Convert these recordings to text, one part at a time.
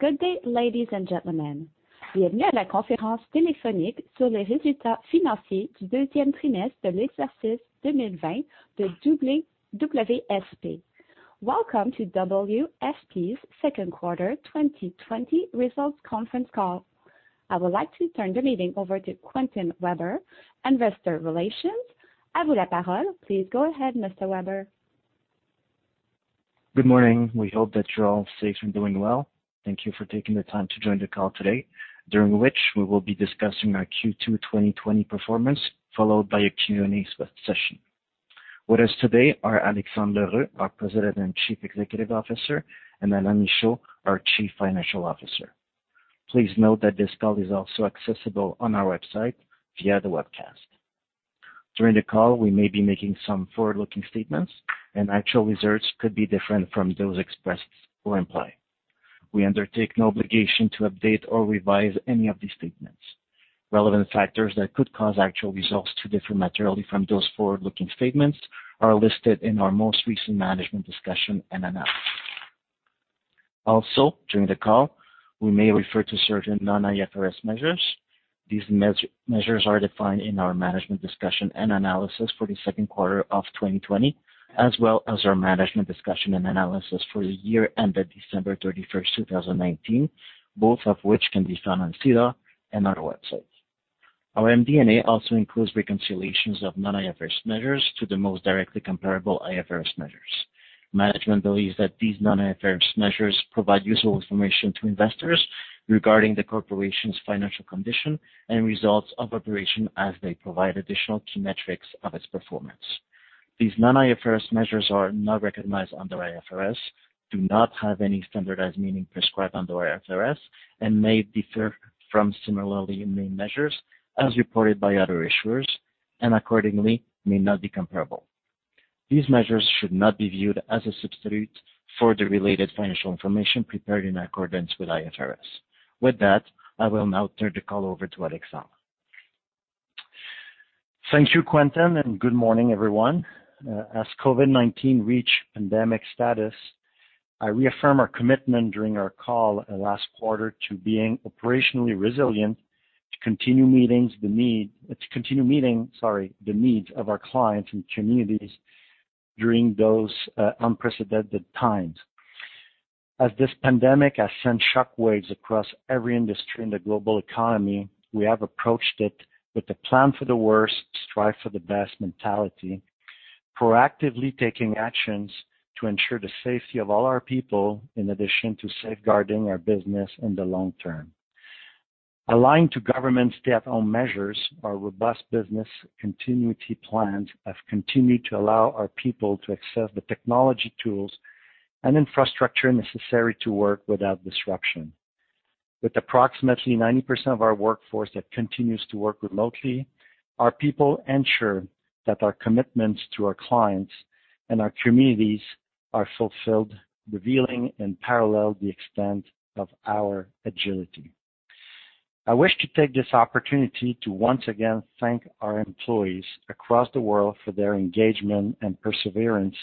Good day, ladies and gentlemen. Bienvenue à la conférence téléphonique sur les résultats financiers du deuxième trimestre de l'exercice 2020 de WSP. Welcome to WSP's Second Quarter 2020 Results Conference Call. I would like to turn the meeting over to Quentin Weber, Investor Relations. À vous la parole. Please go ahead, Mr. Weber. Good morning. We hope that you're all safe and doing well. Thank you for taking the time to join the call today, during which we will be discussing our Q2 2020 performance, followed by a Q&A session. With us today are Alexandre L'Heureux, our President and Chief Executive Officer, and Alain Michaud, our Chief Financial Officer. Please note that this call is also accessible on our website via the webcast. During the call, we may be making some forward-looking statements, and actual results could be different from those expressed or implied. We undertake no obligation to update or revise any of these statements. Relevant factors that could cause actual results to differ materially from those forward-looking statements are listed in our most recent Management's Discussion and Analysis. Also, during the call, we may refer to certain non-IFRS measures. These measures are defined in our Management's Discussion and Analysis for the second quarter of 2020, as well as our Management's Discussion and Analysis for the year ended December 31st, 2019, both of which can be found on SEDAR and our website. Our MD&A also includes reconciliations of non-IFRS measures to the most directly comparable IFRS measures. Management believes that these non-IFRS measures provide useful information to investors regarding the corporation's financial condition and results of operations as they provide additional key metrics of its performance. These non-IFRS measures are not recognized under IFRS, do not have any standardized meaning prescribed under IFRS, and may differ from similar main measures as reported by other issuers, and accordingly may not be comparable. These measures should not be viewed as a substitute for the related financial information prepared in accordance with IFRS. With that, I will now turn the call over to Alexandre. Thank you, Quentin, and good morning, everyone. As COVID-19 reached pandemic status, I reaffirm our commitment during our call last quarter to being operationally resilient to continue meeting the needs of our clients and communities during those unprecedented times. As this pandemic has sent shockwaves across every industry in the global economy, we have approached it with a plan for the worst, strive for the best mentality, proactively taking actions to ensure the safety of all our people in addition to safeguarding our business in the long term. Aligned to government's step-in measures, our robust business continuity plans have continued to allow our people to access the technology tools and infrastructure necessary to work without disruption. With approximately 90% of our workforce that continues to work remotely, our people ensure that our commitments to our clients and our communities are fulfilled, revealing, and parallel the extent of our agility. I wish to take this opportunity to once again thank our employees across the world for their engagement and perseverance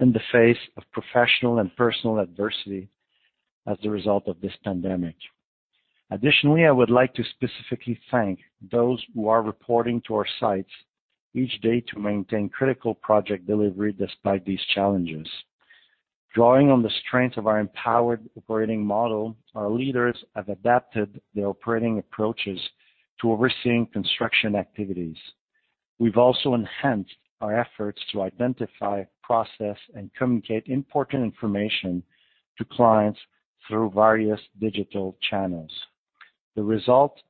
in the face of professional and personal adversity as the result of this pandemic. Additionally, I would like to specifically thank those who are reporting to our sites each day to maintain critical project delivery despite these challenges. Drawing on the strengths of our empowered operating model, our leaders have adapted their operating approaches to overseeing construction activities. We've also enhanced our efforts to identify, process, and communicate important information to clients through various digital channels. The result?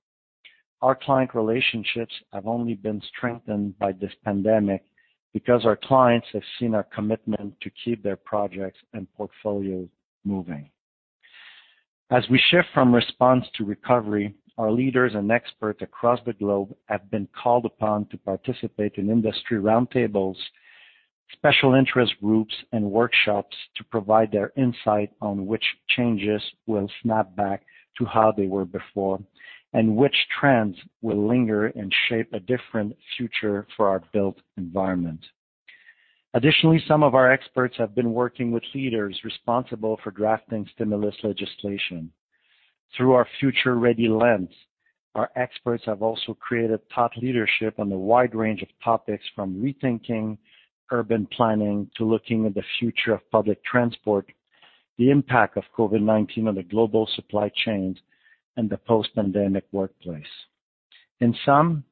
Our client relationships have only been strengthened by this pandemic because our clients have seen our commitment to keep their projects and portfolios moving. As we shift from response to recovery, our leaders and experts across the globe have been called upon to participate in industry roundtables, special interest groups, and workshops to provide their insight on which changes will snap back to how they were before and which trends will linger and shape a different future for our built environment. Additionally, some of our experts have been working with leaders responsible for drafting stimulus legislation. Through our Future Ready lens, our experts have also created thought leadership on a wide range of topics from rethinking urban planning to looking at the future of public transport, the impact of COVID-19 on the global supply chains, and the post-pandemic workplace. In sum,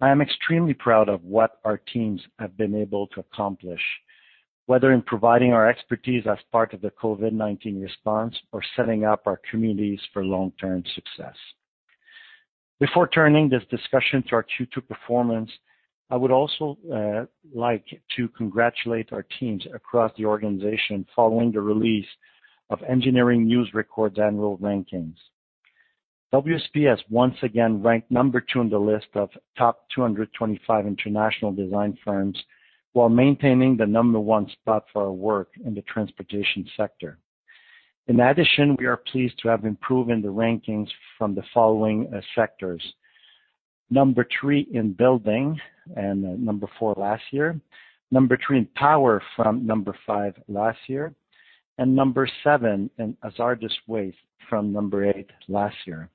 I am extremely proud of what our teams have been able to accomplish, whether in providing our expertise as part of the COVID-19 response or setting up our communities for long-term success. Before turning this discussion to our Q2 performance, I would also like to congratulate our teams across the organization following the release of Engineering News-Record's annual rankings. WSP has once again ranked number two on the list of top 225 international design firms while maintaining the number one spot for our work in the transportation sector. In addition, we are pleased to have improved in the rankings from the following sectors: number three in building and number four last year, number three in power from number five last year, and number seven in hazardous waste from number eight last year.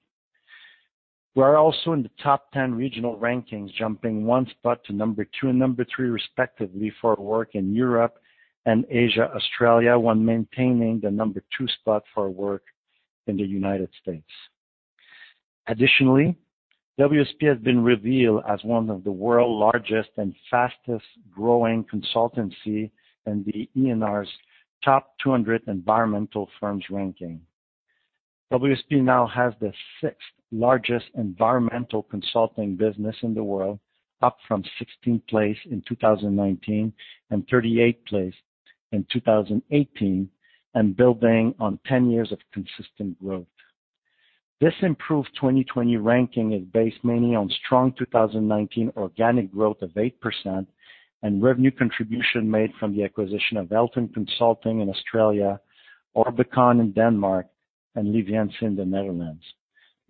We are also in the top 10 regional rankings, jumping one spot to number 2 and number 3, respectively, for our work in Europe and Asia, Australia, while maintaining the number 2 spot for our work in the United States. Additionally, WSP has been revealed as one of the world's largest and fastest-growing consultancy in the ENR's top 200 environmental firms ranking. WSP now has the sixth-largest environmental consulting business in the world, up from 16th place in 2019 and 38th place in 2018, and building on 10 years of consistent growth. This improved 2020 ranking is based mainly on strong 2019 organic growth of 8% and revenue contribution made from the acquisition of Elton Consulting in Australia, Orbicon in Denmark, and Lievense in the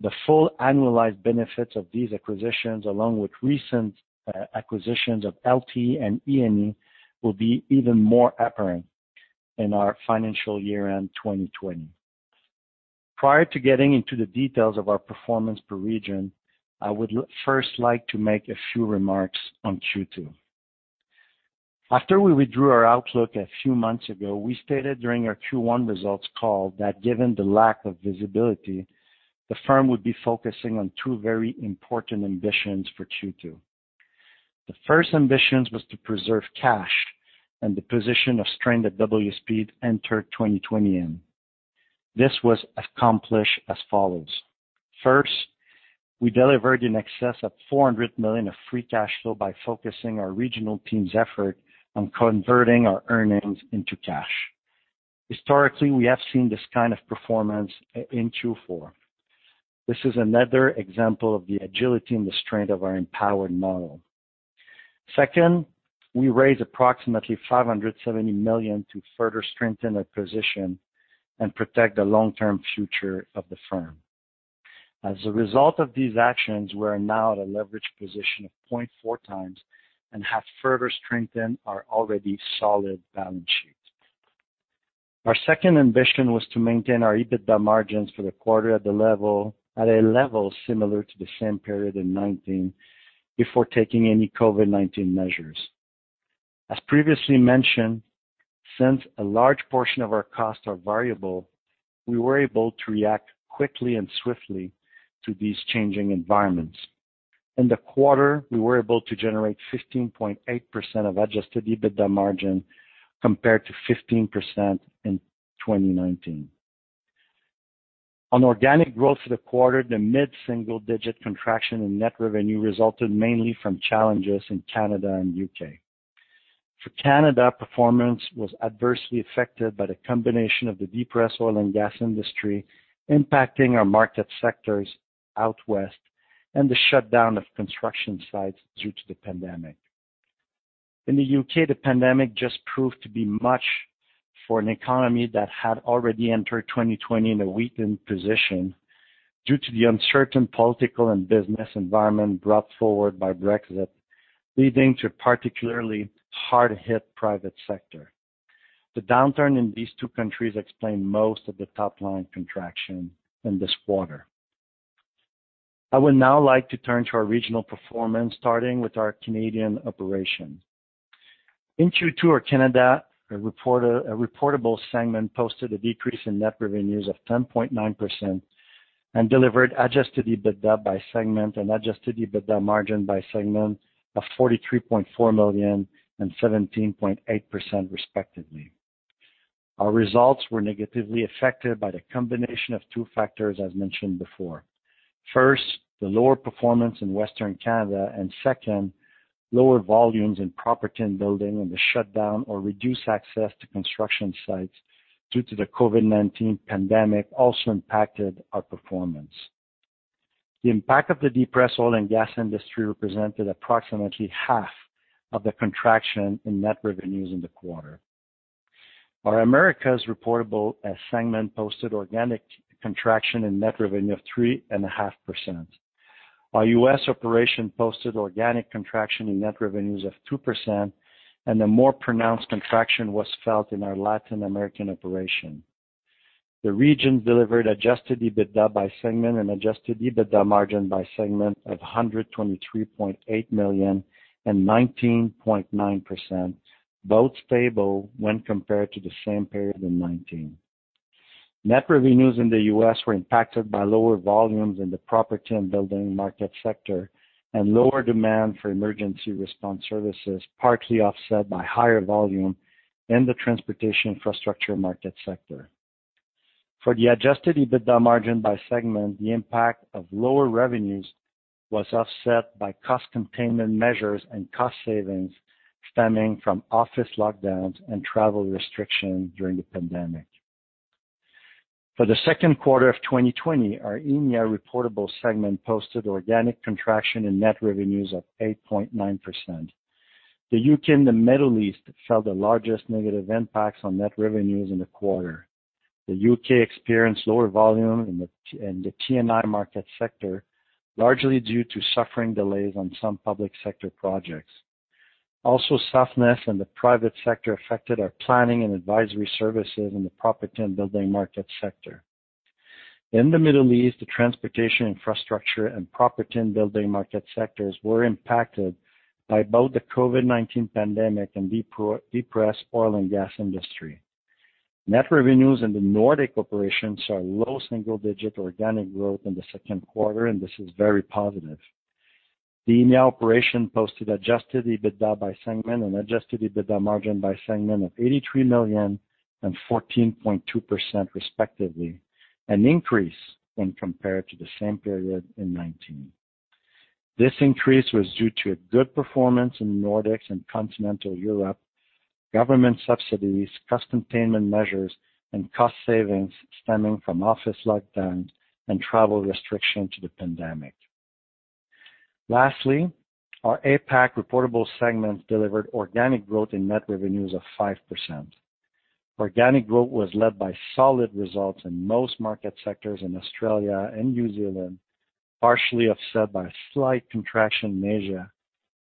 Netherlands. The full annualized benefits of these acquisitions, along with recent acquisitions of LTE and E&E, will be even more apparent in our financial year-end 2020. Prior to getting into the details of our performance per region, I would first like to make a few remarks on Q2. After we withdrew our outlook a few months ago, we stated during our Q1 results call that given the lack of visibility, the firm would be focusing on two very important ambitions for Q2. The first ambition was to preserve cash and the position of strength that WSP entered 2020 in. This was accomplished as follows. First, we delivered in excess of 400 million of free cash flow by focusing our regional team's effort on converting our earnings into cash. Historically, we have seen this kind of performance in Q4. This is another example of the agility and the strength of our empowered model. Second, we raised approximately 570 million to further strengthen our position and protect the long-term future of the firm. As a result of these actions, we are now at a leveraged position of 0.4 times and have further strengthened our already solid balance sheet. Our second ambition was to maintain our EBITDA margins for the quarter at a level similar to the same period in 2019 before taking any COVID-19 measures. As previously mentioned, since a large portion of our costs are variable, we were able to react quickly and swiftly to these changing environments. In the quarter, we were able to generate 15.8% of adjusted EBITDA margin compared to 15% in 2019. On organic growth for the quarter, the mid-single-digit contraction in net revenue resulted mainly from challenges in Canada and the U.K. For Canada, performance was adversely affected by the combination of the depressed oil and gas industry impacting our market sectors out west and the shutdown of construction sites due to the pandemic. In the U.K., the pandemic just proved to be too much for an economy that had already entered 2020 in a weakened position due to the uncertain political and business environment brought forward by Brexit, leading to a particularly hard-hit private sector. The downturn in these two countries explained most of the top-line contraction in this quarter. I would now like to turn to our regional performance, starting with our Canadian operation. In Q2, our Canada, a reportable segment posted a decrease in net revenues of 10.9% and delivered adjusted EBITDA by segment and adjusted EBITDA margin by segment of 43.4 million and 17.8%, respectively. Our results were negatively affected by the combination of two factors as mentioned before. First, the lower performance in Western Canada, and second, lower volumes in property and building and the shutdown or reduced access to construction sites due to the COVID-19 pandemic also impacted our performance. The impact of the depressed oil and gas industry represented approximately half of the contraction in net revenues in the quarter. Our Americas reportable segment posted organic contraction in net revenue of 3.5%. Our US operation posted organic contraction in net revenues of 2%, and a more pronounced contraction was felt in our Latin American operation. The region delivered Adjusted EBITDA by segment and Adjusted EBITDA Margin by segment of 123.8 million and 19.9%, both stable when compared to the same period in 2019. Net revenues in the U.S. were impacted by lower volumes in the property and building market sector and lower demand for emergency response services, partly offset by higher volume in the transportation infrastructure market sector. For the adjusted EBITDA margin by segment, the impact of lower revenues was offset by cost containment measures and cost savings stemming from office lockdowns and travel restrictions during the pandemic. For the second quarter of 2020, our EMEIA reportable segment posted organic contraction in net revenues of 8.9%. The U.K. and the Middle East felt the largest negative impacts on net revenues in the quarter. The U.K. experienced lower volume in the T&I market sector, largely due to suffering delays on some public sector projects. Also, softness in the private sector affected our planning and advisory services in the property and building market sector. In the Middle East, the transportation infrastructure and property and building market sectors were impacted by both the COVID-19 pandemic and depressed oil and gas industry. Net revenues in the Nordics operations saw low single-digit organic growth in the second quarter, and this is very positive. The Europe operation posted adjusted EBITDA by segment and adjusted EBITDA margin by segment of 83 million and 14.2%, respectively, an increase when compared to the same period in 2019. This increase was due to good performance in the Nordics and continental Europe, government subsidies, cost containment measures, and cost savings stemming from office lockdowns and travel restrictions due to the pandemic. Lastly, our APAC reportable segment delivered organic growth in net revenues of 5%. Organic growth was led by solid results in most market sectors in Australia and New Zealand, partially offset by slight contraction in Asia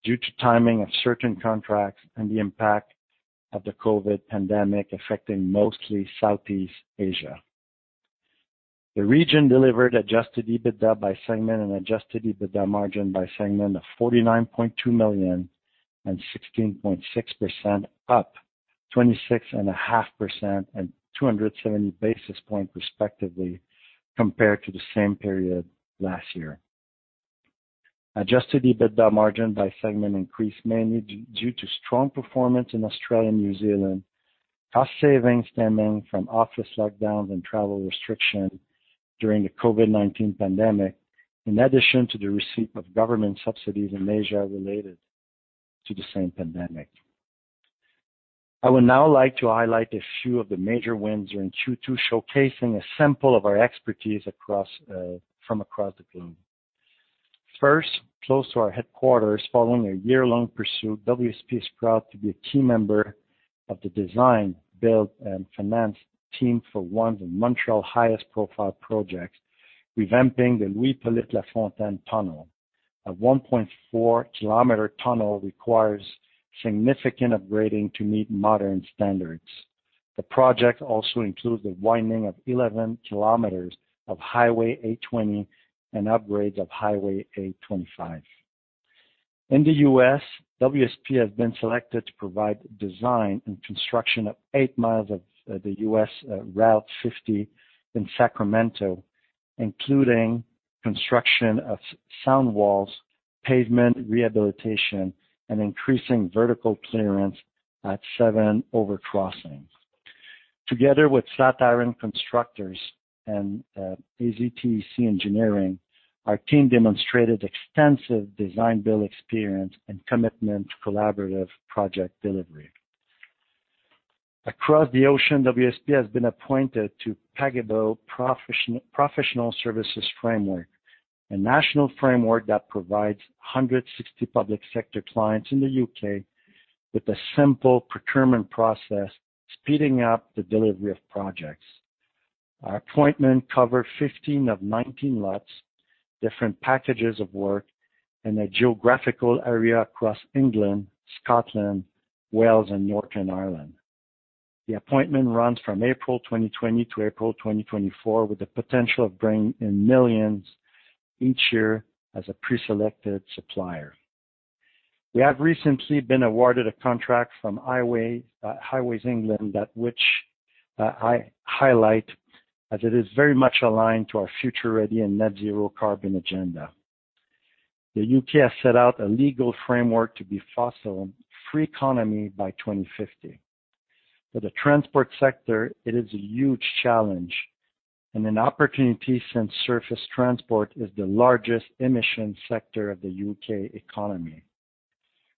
due to timing of certain contracts and the impact of the COVID pandemic affecting mostly Southeast Asia. The region delivered adjusted EBITDA by segment and adjusted EBITDA margin by segment of 49.2 million and 16.6%, up 26.5% and 270 basis points, respectively, compared to the same period last year. Adjusted EBITDA margin by segment increased mainly due to strong performance in Australia and New Zealand, cost savings stemming from office lockdowns and travel restrictions during the COVID-19 pandemic, in addition to the receipt of government subsidies in Asia related to the same pandemic. I would now like to highlight a few of the major wins during Q2, showcasing a sample of our expertise from across the globe. First, close to our headquarters, following a year-long pursuit, WSP is proud to be a key member of the design, build, and finance team for one of Montreal's highest-profile projects, revamping the Louis-Hippolyte La Fontaine Tunnel. A 1.4 km tunnel requires significant upgrading to meet modern standards. The project also includes the widening of 11 km of Highway A20 and upgrades of Highway A25. In the US, WSP has been selected to provide design and construction of eight miles of the US Route 50 in Sacramento, including construction of sound walls, pavement rehabilitation, and increasing vertical clearance at seven overcrossings. Together with Flatiron Constructors and AZTEC Engineering, our team demonstrated extensive design-build experience and commitment to collaborative project delivery. Across the ocean, WSP has been appointed to Pagabo Professional Services Framework, a national framework that provides 160 public sector clients in the U.K. with a simple procurement process, speeding up the delivery of projects. Our appointment covers 15 of 19 lots, different packages of work, and a geographical area across England, Scotland, Wales, and Northern Ireland. The appointment runs from April 2020 to April 2024, with the potential of bringing in millions each year as a preselected supplier. We have recently been awarded a contract from Highways England that I highlight as it is very much aligned to our future-ready and net-zero carbon agenda. The U.K. has set out a legal framework to be fossil-free economy by 2050. For the transport sector, it is a huge challenge and an opportunity since surface transport is the largest emission sector of the U.K. economy.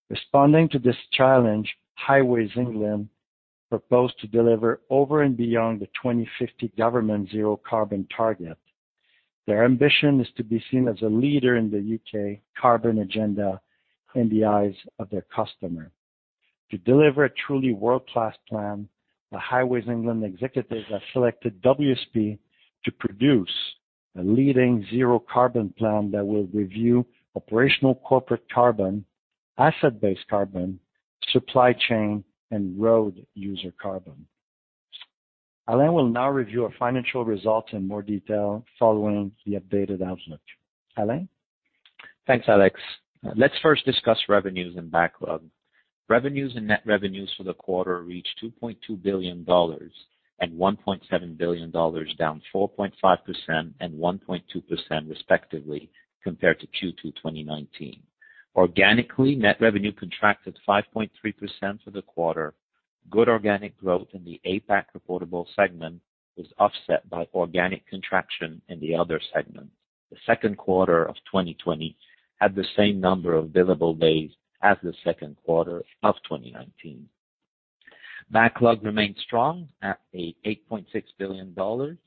Responding to this challenge, Highways England proposed to deliver over and beyond the 2050 government zero-carbon target. Their ambition is to be seen as a leader in the U.K. carbon agenda in the eyes of their customer. To deliver a truly world-class plan, the Highways England executives have selected WSP to produce a leading zero-carbon plan that will review operational corporate carbon, asset-based carbon, supply chain, and road user carbon. Alain will now review our financial results in more detail following the updated outlook. Alain? Thanks, Alex. Let's first discuss revenues and backlog. Revenues and net revenues for the quarter reached 2.2 billion dollars and 1.7 billion dollars, down 4.5% and 1.2%, respectively, compared to Q2 2019. Organically, net revenue contracted 5.3% for the quarter. Good organic growth in the APAC reportable segment was offset by organic contraction in the other segment. The second quarter of 2020 had the same number of billable days as the second quarter of 2019. Backlog remained strong at 8.6 billion dollars,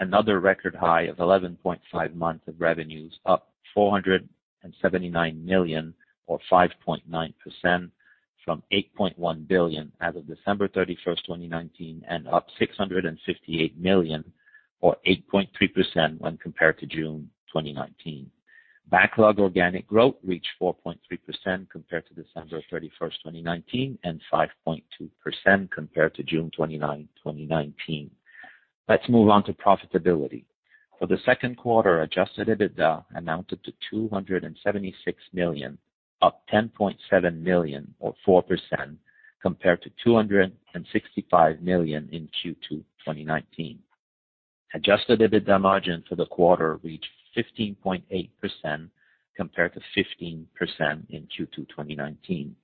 another record high of 11.5 months of revenues, up 479 million or 5.9% from 8.1 billion as of December 31, 2019, and up 658 million or 8.3% when compared to June 2019. Backlog organic growth reached 4.3% compared to December 31, 2019, and 5.2% compared to June 29, 2019. Let's move on to profitability. For the second quarter, Adjusted EBITDA amounted to 276 million, up 10.7 million or 4%, compared to 265 million in Q2 2019. Adjusted EBITDA margin for the quarter reached 15.8% compared to 15% in Q2 2019.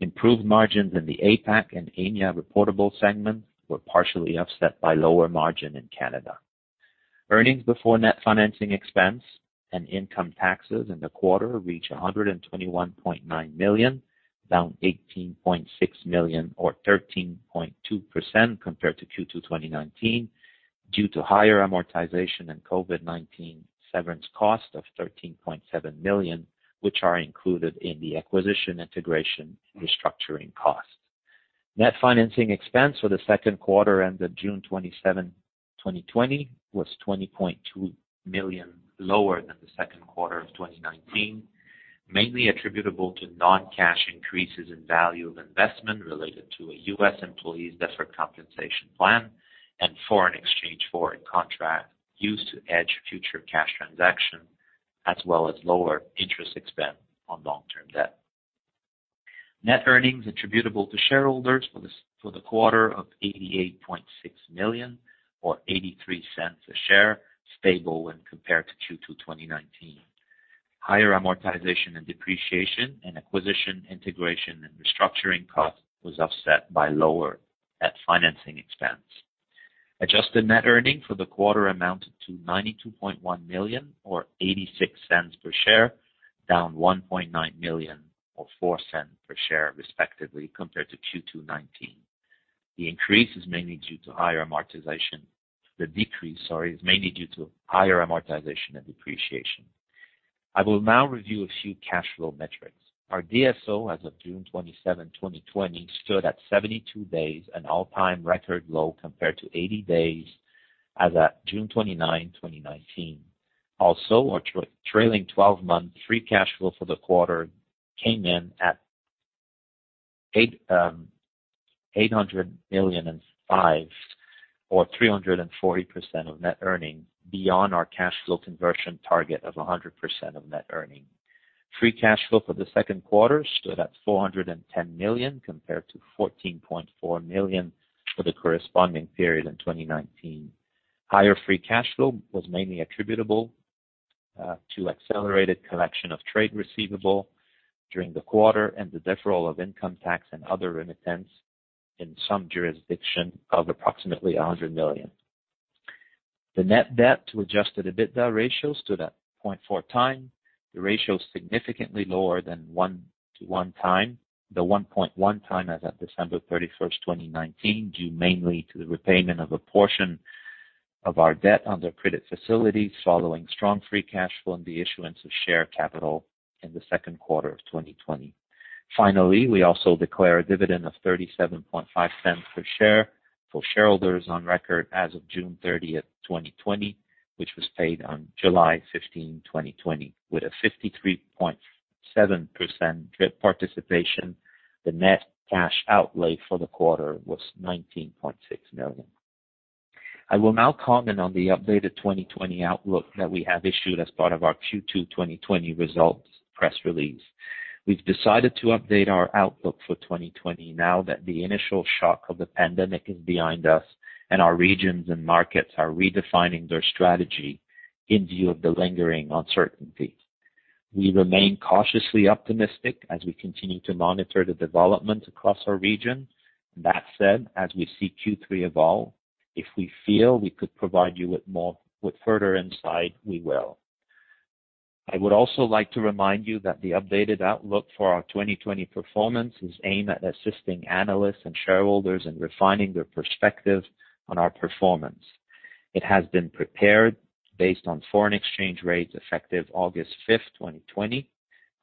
Improved margins in the APAC and EMEA reportable segment were partially offset by lower margin in Canada. Earnings before net financing expense and income taxes in the quarter reached 121.9 million, down 18.6 million or 13.2% compared to Q2 2019 due to higher amortization and COVID-19 severance cost of CAD 13.7 million, which are included in the acquisition integration restructuring cost. Net financing expense for the second quarter ended June 27, 2020, was 20.2 million lower than the second quarter of 2019, mainly attributable to non-cash increases in value of investment related to a U.S. employee's deferred compensation plan and foreign exchange forward contract used to hedge future cash transaction, as well as lower interest expense on long-term debt. Net earnings attributable to shareholders for the quarter of 88.6 million or 0.83 per share, stable when compared to Q2 2019. Higher amortization and depreciation and acquisition integration and restructuring cost was offset by lower net financing expense. Adjusted net earnings for the quarter amounted to 92.1 million or 0.86 per share, down 1.9 million or 0.04 per share, respectively, compared to Q2 2019. The increase is mainly due to higher amortization. The decrease, sorry, is mainly due to higher amortization and depreciation. I will now review a few cash flow metrics. Our DSO as of June 27, 2020, stood at 72 days, an all-time record low compared to 80 days as of June 29, 2019. Also, our trailing 12-month free cash flow for the quarter came in at 805 million or 340% of net earnings, beyond our cash flow conversion target of 100% of net earnings. Free cash flow for the second quarter stood at 410 million compared to 14.4 million for the corresponding period in 2019. Higher free cash flow was mainly attributable to accelerated collection of trade receivable during the quarter and the deferral of income tax and other remittance in some jurisdiction of approximately 100 million. The net debt to Adjusted EBITDA ratio stood at 0.4 times. The ratio is significantly lower than 1.1 times, the 1.1 times as of December 31, 2019, due mainly to the repayment of a portion of our debt under credit facilities following strong free cash flow and the issuance of share capital in the second quarter of 2020. Finally, we also declare a dividend of 0.375 per share for shareholders on record as of June 30, 2020, which was paid on July 15, 2020. With a 53.7% participation, the net cash outlay for the quarter was 19.6 million. I will now comment on the updated 2020 outlook that we have issued as part of our Q2 2020 results press release. We've decided to update our outlook for 2020 now that the initial shock of the pandemic is behind us and our regions and markets are redefining their strategy in view of the lingering uncertainty. We remain cautiously optimistic as we continue to monitor the development across our region. That said, as we see Q3 evolve, if we feel we could provide you with further insight, we will. I would also like to remind you that the updated outlook for our 2020 performance is aimed at assisting analysts and shareholders in refining their perspective on our performance. It has been prepared based on foreign exchange rates effective August 5, 2020.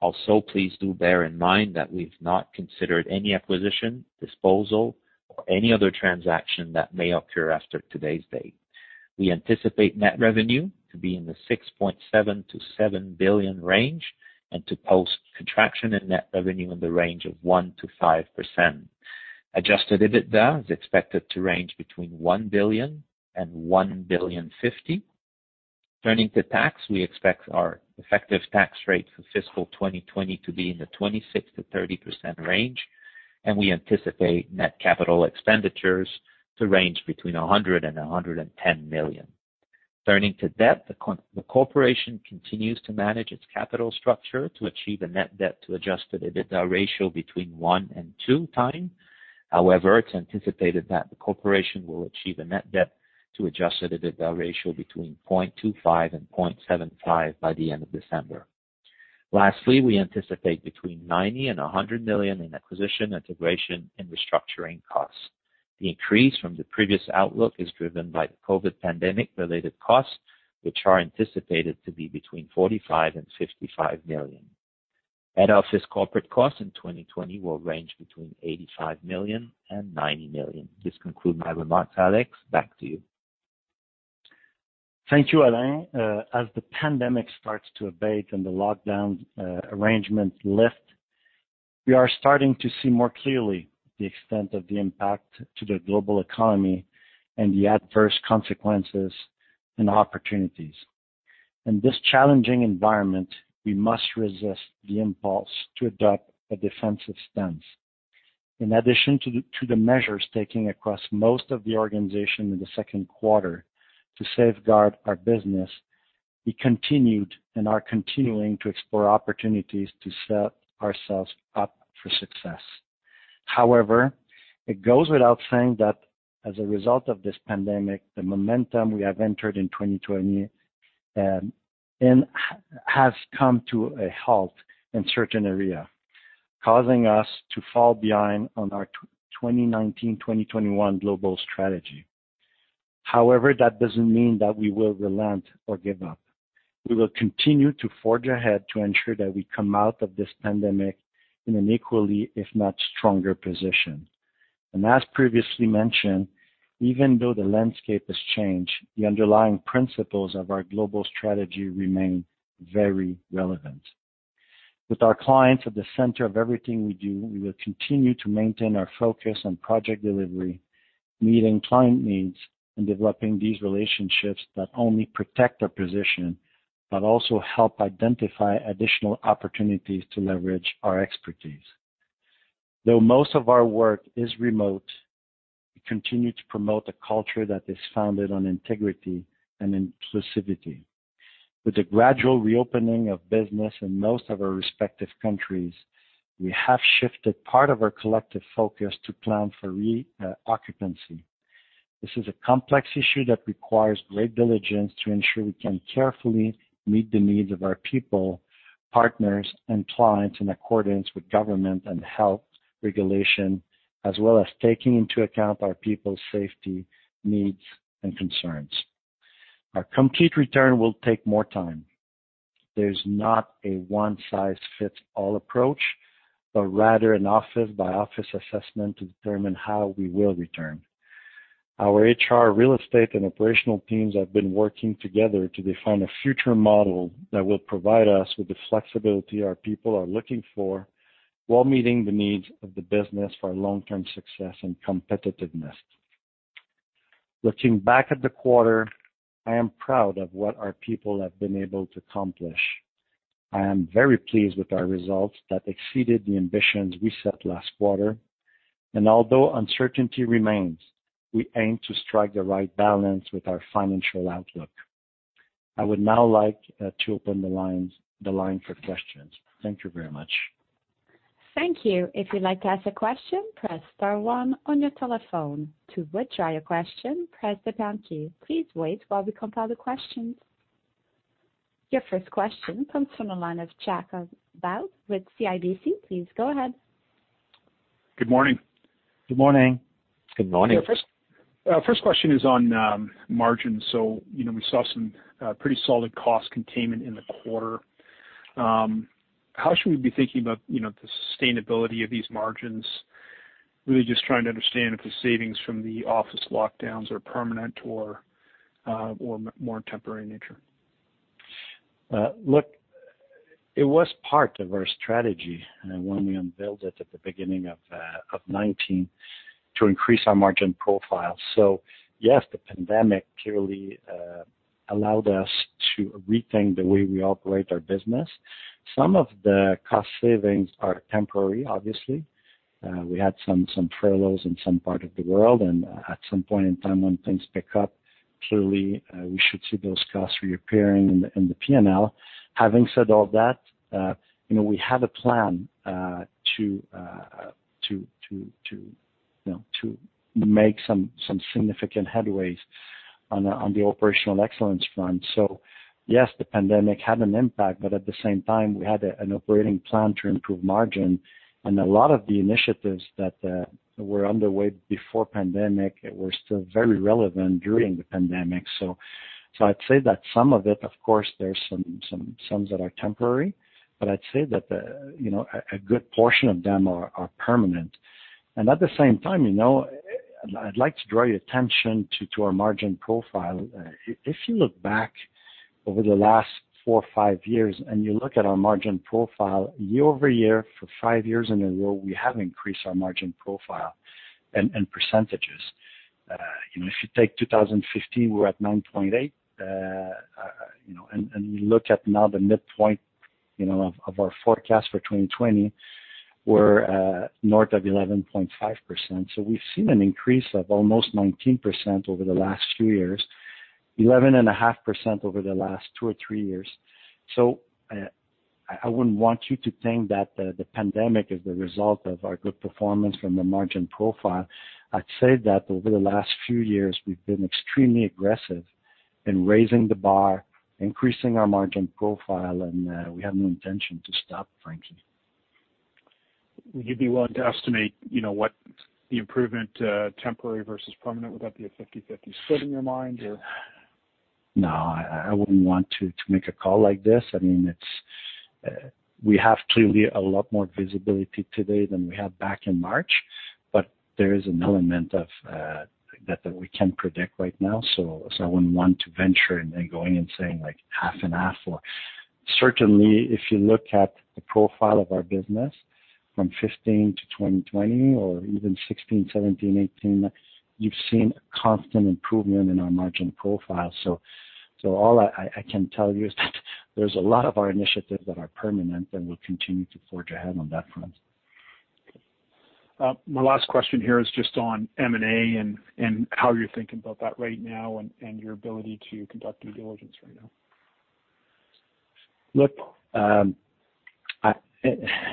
Also, please do bear in mind that we've not considered any acquisition, disposal, or any other transaction that may occur after today's date. We anticipate net revenue to be in the 6.7 billion-7 billion range and to post contraction in net revenue in the range of 1%-5%. Adjusted EBITDA is expected to range between 1 billion and 1.05 billion. Turning to tax, we expect our effective tax rate for fiscal 2020 to be in the 26%-30% range, and we anticipate net capital expenditures to range between 100 million and 110 million. Turning to debt, the corporation continues to manage its capital structure to achieve a net debt to adjusted EBITDA ratio between 1 and 2 times. However, it's anticipated that the corporation will achieve a net debt to adjusted EBITDA ratio between 0.25 and 0.75 by the end of December. Lastly, we anticipate between 90 million and 100 million in acquisition, integration, and restructuring costs. The increase from the previous outlook is driven by the COVID pandemic-related costs, which are anticipated to be between 45 million and 55 million. Net office corporate costs in 2020 will range between 85 million and 90 million. This concludes my remarks, Alex. Back to you. Thank you, Alain. As the pandemic starts to abate and the lockdown arrangements lift, we are starting to see more clearly the extent of the impact to the global economy and the adverse consequences and opportunities. In this challenging environment, we must resist the impulse to adopt a defensive stance. In addition to the measures taken across most of the organization in the second quarter to safeguard our business, we continued and are continuing to explore opportunities to set ourselves up for success. However, it goes without saying that as a result of this pandemic, the momentum we have entered in 2020 has come to a halt in certain areas, causing us to fall behind on our 2019-2021 global strategy. However, that doesn't mean that we will relent or give up. We will continue to forge ahead to ensure that we come out of this pandemic in an equally, if not stronger, position, and as previously mentioned, even though the landscape has changed, the underlying principles of our global strategy remain very relevant. With our clients at the center of everything we do, we will continue to maintain our focus on project delivery, meeting client needs, and developing these relationships that only protect our position, but also help identify additional opportunities to leverage our expertise. Though most of our work is remote, we continue to promote a culture that is founded on integrity and inclusivity. With the gradual reopening of business in most of our respective countries, we have shifted part of our collective focus to plan for reoccupancy. This is a complex issue that requires great diligence to ensure we can carefully meet the needs of our people, partners, and clients in accordance with government and health regulation, as well as taking into account our people's safety needs and concerns. Our complete return will take more time. There's not a one-size-fits-all approach, but rather an office-by-office assessment to determine how we will return. Our HR, real estate, and operational teams have been working together to define a future model that will provide us with the flexibility our people are looking for while meeting the needs of the business for long-term success and competitiveness. Looking back at the quarter, I am proud of what our people have been able to accomplish. I am very pleased with our results that exceeded the ambitions we set last quarter. Although uncertainty remains, we aim to strike the right balance with our financial outlook. I would now like to open the line for questions. Thank you very much. Thank you. If you'd like to ask a question, press star one on your telephone. To withdraw your question, press the pound key. Please wait while we compile the questions. Your first question comes from Jacob Bout with CIBC. Please go ahead. Good morning. Good morning. Good morning. Your first question is on margins. So we saw some pretty solid cost containment in the quarter. How should we be thinking about the sustainability of these margins? Really just trying to understand if the savings from the office lockdowns are permanent or more temporary in nature. Look, it was part of our strategy when we unveiled it at the beginning of 2019 to increase our margin profile. So yes, the pandemic clearly allowed us to rethink the way we operate our business. Some of the cost savings are temporary, obviously. We had some furloughs in some part of the world. And at some point in time, when things pick up, clearly we should see those costs reappearing in the P&L. Having said all that, we have a plan to make some significant headway on the operational excellence front. So yes, the pandemic had an impact, but at the same time, we had an operating plan to improve margin. And a lot of the initiatives that were underway before the pandemic were still very relevant during the pandemic. So I'd say that some of it, of course, there's some that are temporary, but I'd say that a good portion of them are permanent. And at the same time, I'd like to draw your attention to our margin profile. If you look back over the last four or five years and you look at our margin profile, year-over-year, for five years in a row, we have increased our margin profile and percentages. If you take 2015, we're at 9.8%. And you look at now the midpoint of our forecast for 2020, we're north of 11.5%. So we've seen an increase of almost 19% over the last few years, 11.5% over the last two or three years. So I wouldn't want you to think that the pandemic is the result of our good performance from the margin profile. I'd say that over the last few years, we've been extremely aggressive in raising the bar, increasing our margin profile, and we have no intention to stop, frankly. Would you be willing to estimate what the improvement, temporary versus permanent, would that be a 50/50 split in your mind, or? No, I wouldn't want to make a call like this. I mean, we have clearly a lot more visibility today than we had back in March, but there is an element of that we can't predict right now. So I wouldn't want to venture in going and saying half and half. Certainly, if you look at the profile of our business from 2015 to 2020 or even 2016, 2017, 2018, you've seen a constant improvement in our margin profile. So all I can tell you is that there's a lot of our initiatives that are permanent and will continue to forge ahead on that front. My last question here is just on M&A and how you're thinking about that right now and your ability to conduct due diligence right now? Look,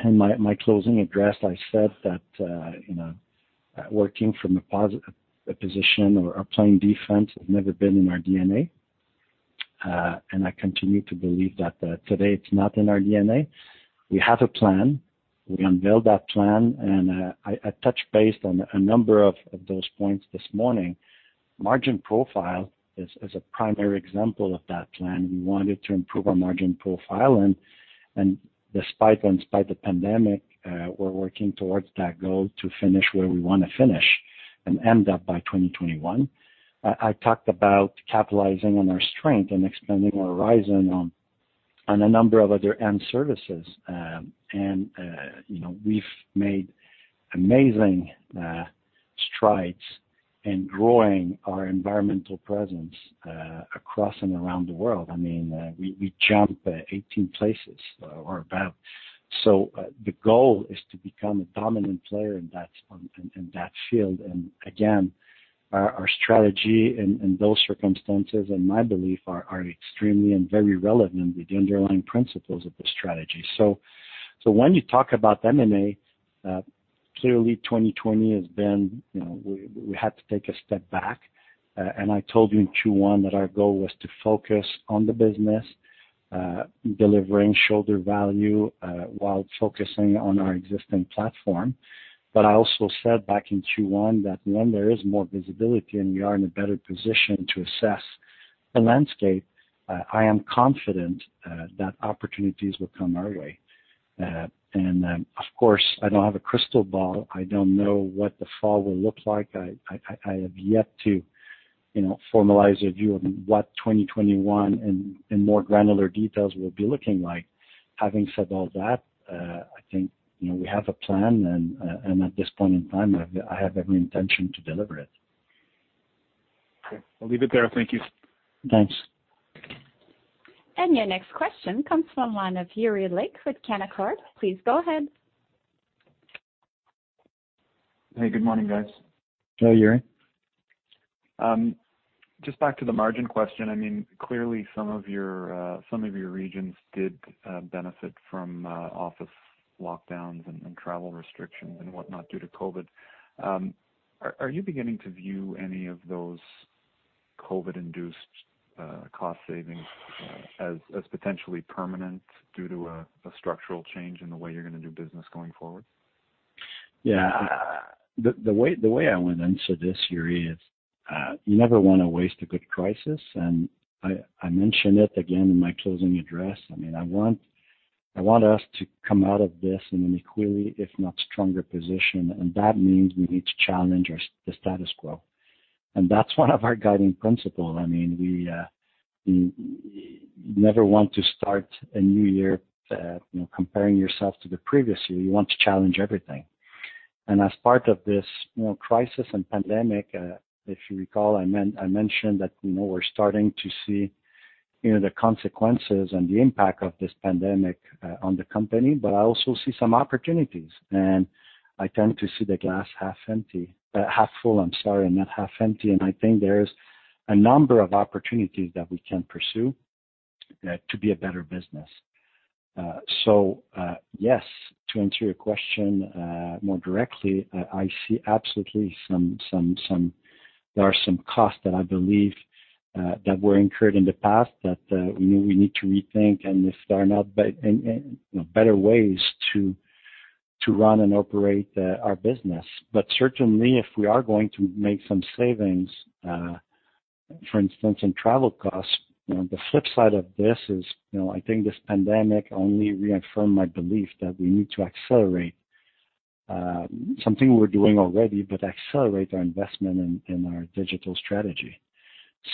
in my closing address, I said that working from a position or playing defense has never been in our DNA, and I continue to believe that today it's not in our DNA. We have a plan. We unveiled that plan, and I touched base on a number of those points this morning. Margin profile is a primary example of that plan. We wanted to improve our margin profile, and despite the pandemic, we're working towards that goal to finish where we want to finish and end up by 2021. I talked about capitalizing on our strength and expanding our horizon on a number of other end services, and we've made amazing strides in growing our environmental presence across and around the world. I mean, we jumped 18 places or about, so the goal is to become a dominant player in that field. Again, our strategy in those circumstances and my belief are extremely and very relevant with the underlying principles of the strategy, so when you talk about M&A, clearly, 2020 has been, we had to take a step back, and I told you in Q1 that our goal was to focus on the business, delivering shareholder value while focusing on our existing platform, but I also said back in Q1 that when there is more visibility and we are in a better position to assess the landscape, I am confident that opportunities will come our way. And of course, I don't have a crystal ball. I don't know what the fall will look like. I have yet to formalize a view of what 2021 in more granular details will be looking like. Having said all that, I think we have a plan. At this point in time, I have every intention to deliver it. Okay. I'll leave it there. Thank you. Thanks. And your next question comes from Yuri Lynk with Canaccord. Please go ahead. Hey, good morning, guys. Hello, Yuri. Just back to the margin question. I mean, clearly some of your regions did benefit from office lockdowns and travel restrictions and whatnot due to COVID. Are you beginning to view any of those COVID-induced cost savings as potentially permanent due to a structural change in the way you're going to do business going forward? Yeah. The way I went into this year is you never want to waste a good crisis. And I mentioned it again in my closing address. I mean, I want us to come out of this in an equally, if not stronger, position. And that means we need to challenge the status quo. And that's one of our guiding principles. I mean, you never want to start a new year comparing yourself to the previous year. You want to challenge everything. And as part of this crisis and pandemic, if you recall, I mentioned that we're starting to see the consequences and the impact of this pandemic on the company. But I also see some opportunities. And I tend to see the glass half empty, half full, I'm sorry, and not half empty. And I think there's a number of opportunities that we can pursue to be a better business. So yes, to answer your question more directly, I see absolutely there are some costs that I believe that were incurred in the past that we need to rethink and if there are not better ways to run and operate our business. But certainly, if we are going to make some savings, for instance, in travel costs, the flip side of this is I think this pandemic only reaffirmed my belief that we need to accelerate something we're doing already, but accelerate our investment in our digital strategy.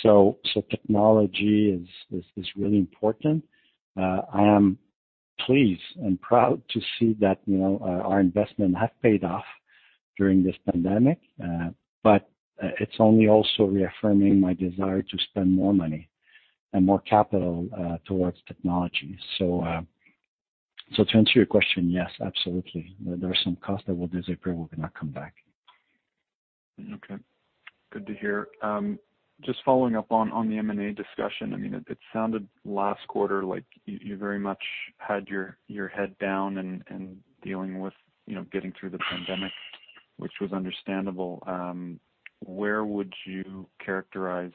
So technology is really important. I am pleased and proud to see that our investment has paid off during this pandemic. But it's only also reaffirming my desire to spend more money and more capital towards technology. So to answer your question, yes, absolutely. There are some costs that will disappear. We're going to come back. Okay. Good to hear. Just following up on the M&A discussion, I mean, it sounded last quarter like you very much had your head down and dealing with getting through the pandemic, which was understandable. Where would you characterize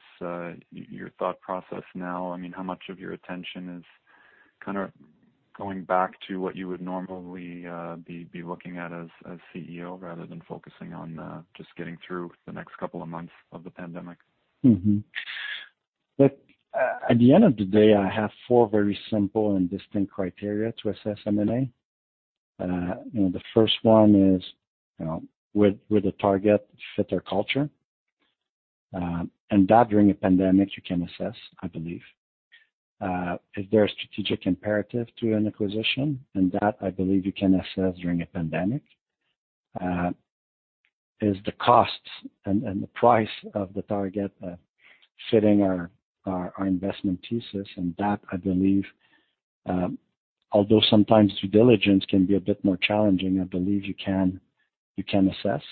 your thought process now? I mean, how much of your attention is kind of going back to what you would normally be looking at as CEO rather than focusing on just getting through the next couple of months of the pandemic? Look, at the end of the day, I have four very simple and distinct criteria to assess M&A. The first one is whether a target fits our culture, and that, during a pandemic, you can assess, I believe. Is there a strategic imperative to an acquisition, and that, I believe, you can assess during a pandemic. Is the cost and the price of the target fitting our investment thesis, and that, I believe, although sometimes due diligence can be a bit more challenging, I believe you can assess.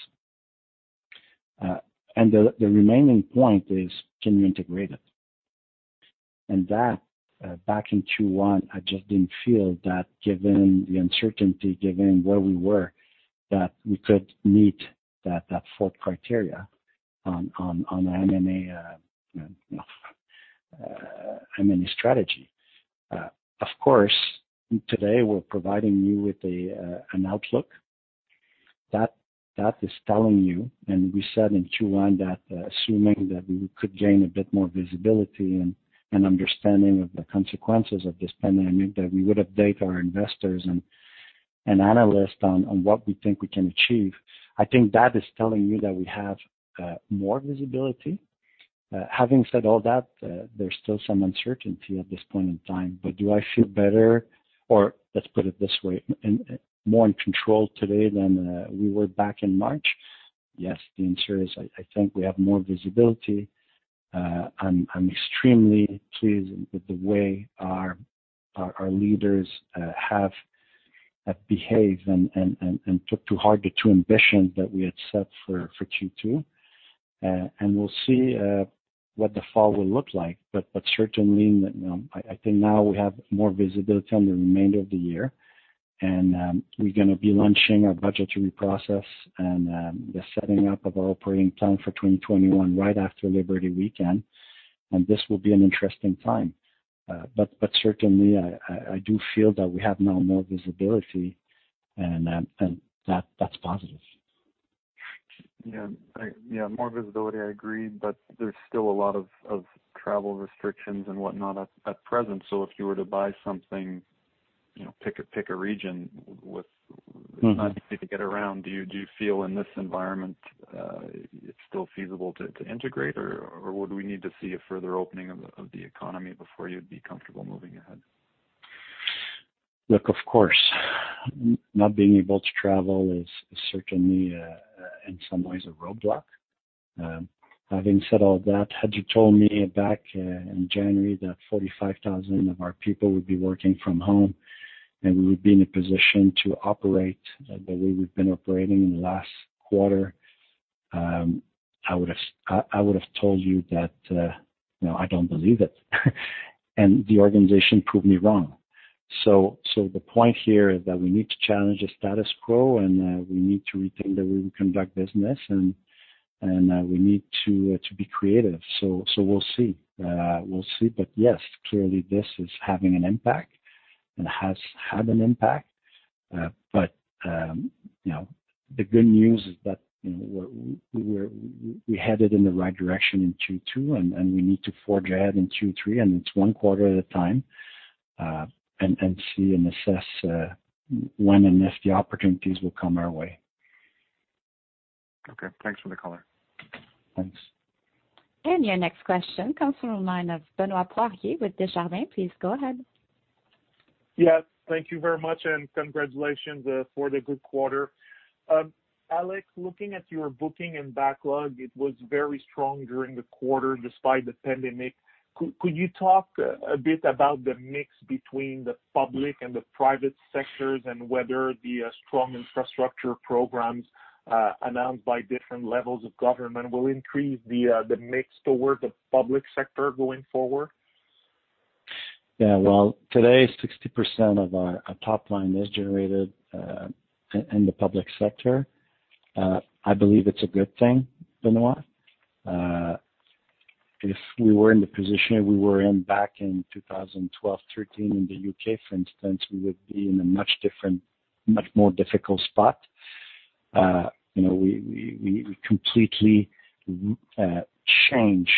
And the remaining point is, can you integrate it, and that, back in Q1, I just didn't feel that given the uncertainty, given where we were, that we could meet that fourth criterion on an M&A strategy. Of course, today, we're providing you with an outlook that is telling you, and we said in Q1 that assuming that we could gain a bit more visibility and understanding of the consequences of this pandemic, that we would update our investors and analysts on what we think we can achieve. I think that is telling you that we have more visibility. Having said all that, there's still some uncertainty at this point in time. But do I feel better or let's put it this way, more in control today than we were back in March? Yes, the answer is I think we have more visibility. I'm extremely pleased with the way our leaders have behaved and took to heart the two ambitions that we had set for Q2, and we'll see what the fall will look like. But certainly, I think now we have more visibility on the remainder of the year. And we're going to be launching our budgetary process and the setting up of our operating plan for 2021 right after Labour Day weekend. And this will be an interesting time. But certainly, I do feel that we have now more visibility, and that's positive. Yeah. Yeah. More visibility, I agree. But there's still a lot of travel restrictions and whatnot at present. So if you were to buy something, pick a region with not too many to get around, do you feel in this environment it's still feasible to integrate, or would we need to see a further opening of the economy before you'd be comfortable moving ahead? Look, of course. Not being able to travel is certainly, in some ways, a roadblock. Having said all that, had you told me back in January that 45,000 of our people would be working from home and we would be in a position to operate the way we've been operating in the last quarter, I would have told you that I don't believe it. And the organization proved me wrong. So the point here is that we need to challenge the status quo, and we need to rethink the way we conduct business, and we need to be creative. So we'll see. We'll see. But yes, clearly, this is having an impact and has had an impact. But the good news is that we're headed in the right direction in Q2, and we need to forge ahead in Q3. And it's one quarter at a time and see and assess when and if the opportunities will come our way. Okay. Thanks for the caller. Thanks. Your next question comes from Benoît Poirier with Desjardins. Please go ahead. Yes. Thank you very much, and congratulations for the good quarter. Alex, looking at your booking and backlog, it was very strong during the quarter despite the pandemic. Could you talk a bit about the mix between the public and the private sectors and whether the strong infrastructure programs announced by different levels of government will increase the mix towards the public sector going forward? Yeah. Well, today, 60% of our top line is generated in the public sector. I believe it's a good thing, Benoit. If we were in the position we were in back in 2012, 2013 in the U.K., for instance, we would be in a much different, much more difficult spot. We completely changed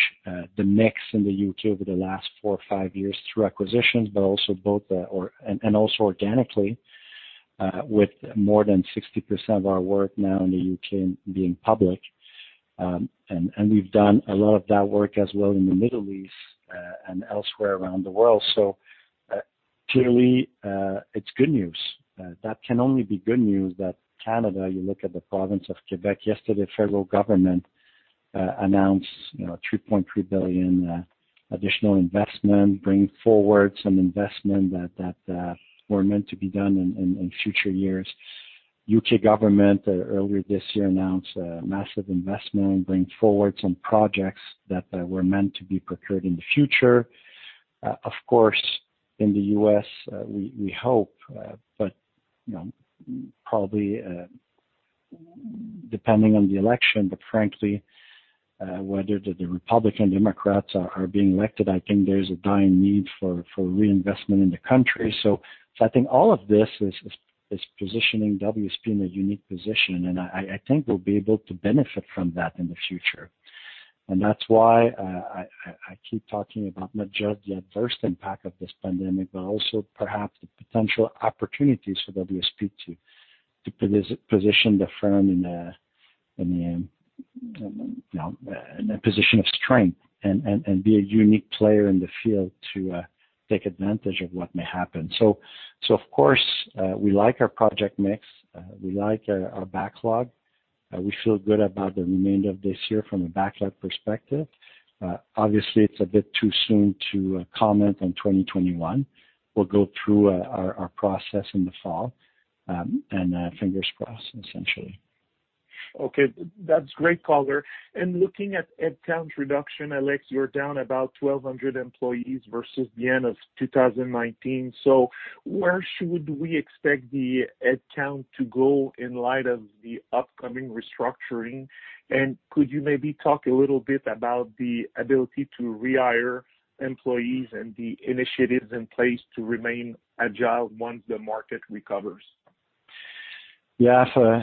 the mix in the U.K. over the last four or five years through acquisitions, but also both and also organically with more than 60% of our work now in the U.K. being public. And we've done a lot of that work as well in the Middle East and elsewhere around the world. So clearly, it's good news. That can only be good news that Canada, you look at the province of Quebec, yesterday, federal government announced CAD 3.3 billion additional investment, bringing forward some investment that were meant to be done in future years. U.K. government earlier this year announced a massive investment, bringing forward some projects that were meant to be procured in the future. Of course, in the U.S., we hope, but probably depending on the election, but frankly, whether the Republican Democrats are being elected, I think there's a dire need for reinvestment in the country, so I think all of this is positioning WSP in a unique position, and I think we'll be able to benefit from that in the future, and that's why I keep talking about not just the adverse impact of this pandemic, but also perhaps the potential opportunities for WSP to position the firm in a position of strength and be a unique player in the field to take advantage of what may happen, so of course, we like our project mix. We like our backlog. We feel good about the remainder of this year from a backlog perspective. Obviously, it's a bit too soon to comment on 2021. We'll go through our process in the fall and fingers crossed, essentially. Okay. That's great color, and looking at headcount reduction, Alex, you're down about 1,200 employees versus the end of 2019, so where should we expect the headcount to go in light of the upcoming restructuring? And could you maybe talk a little bit about the ability to rehire employees and the initiatives in place to remain agile once the market recovers? Yeah. So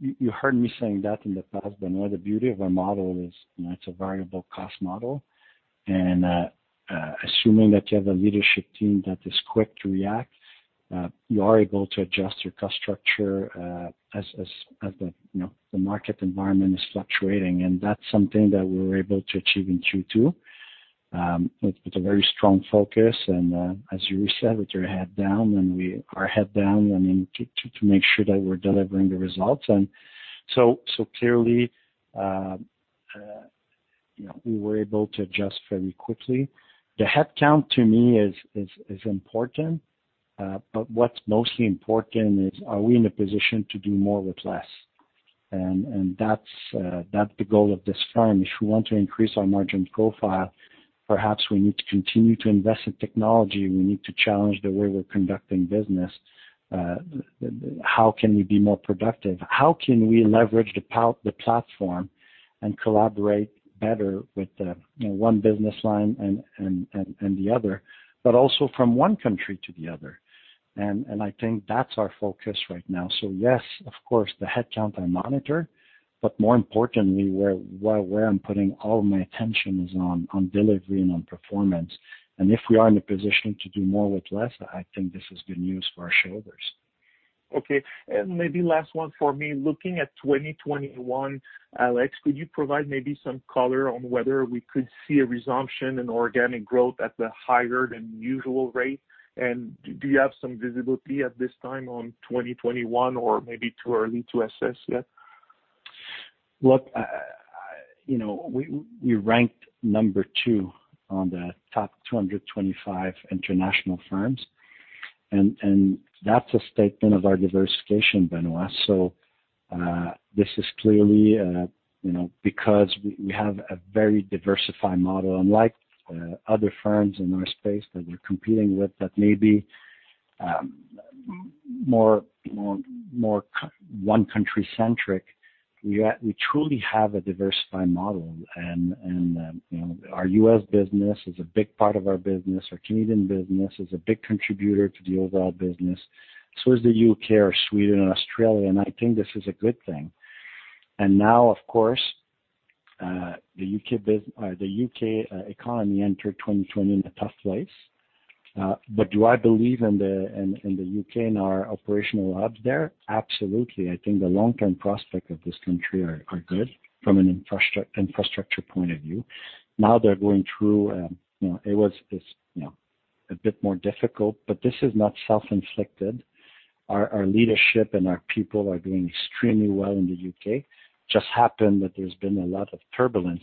you heard me saying that in the past, Benoit. The beauty of our model is it's a variable cost model. And assuming that you have a leadership team that is quick to react, you are able to adjust your cost structure as the market environment is fluctuating. And that's something that we were able to achieve in Q2 with a very strong focus. And as Yuri said, with your head down, and we are head down, I mean, to make sure that we're delivering the results. And so clearly, we were able to adjust very quickly. The headcount, to me, is important. But what's mostly important is, are we in a position to do more with less? And that's the goal of this firm. If we want to increase our margin profile, perhaps we need to continue to invest in technology. We need to challenge the way we're conducting business. How can we be more productive? How can we leverage the platform and collaborate better with one business line and the other, but also from one country to the other? And I think that's our focus right now. So yes, of course, the headcount I monitor, but more importantly, where I'm putting all of my attention is on delivery and on performance. And if we are in a position to do more with less, I think this is good news for our shareholders. Okay. And maybe last one for me. Looking at 2021, Alex, could you provide maybe some color on whether we could see a resumption in organic growth at the higher than usual rate? And do you have some visibility at this time on 2021 or maybe too early to assess yet? Look, we ranked number two on the top 225 international firms. And that's a statement of our diversification, Benoit. So this is clearly because we have a very diversified model. Unlike other firms in our space that we're competing with that may be more one country-centric, we truly have a diversified model. And our U.S. business is a big part of our business. Our Canadian business is a big contributor to the overall business. So is the U.K. or Sweden or Australia. And I think this is a good thing. And now, of course, the U.K. economy entered 2020 in a tough place. But do I believe in the U.K. and our operations there? Absolutely. I think the long-term prospects of this country are good from an infrastructure point of view. Now they're going through. It was a bit more difficult, but this is not self-inflicted. Our leadership and our people are doing extremely well in the U.K. It just happened that there's been a lot of turbulence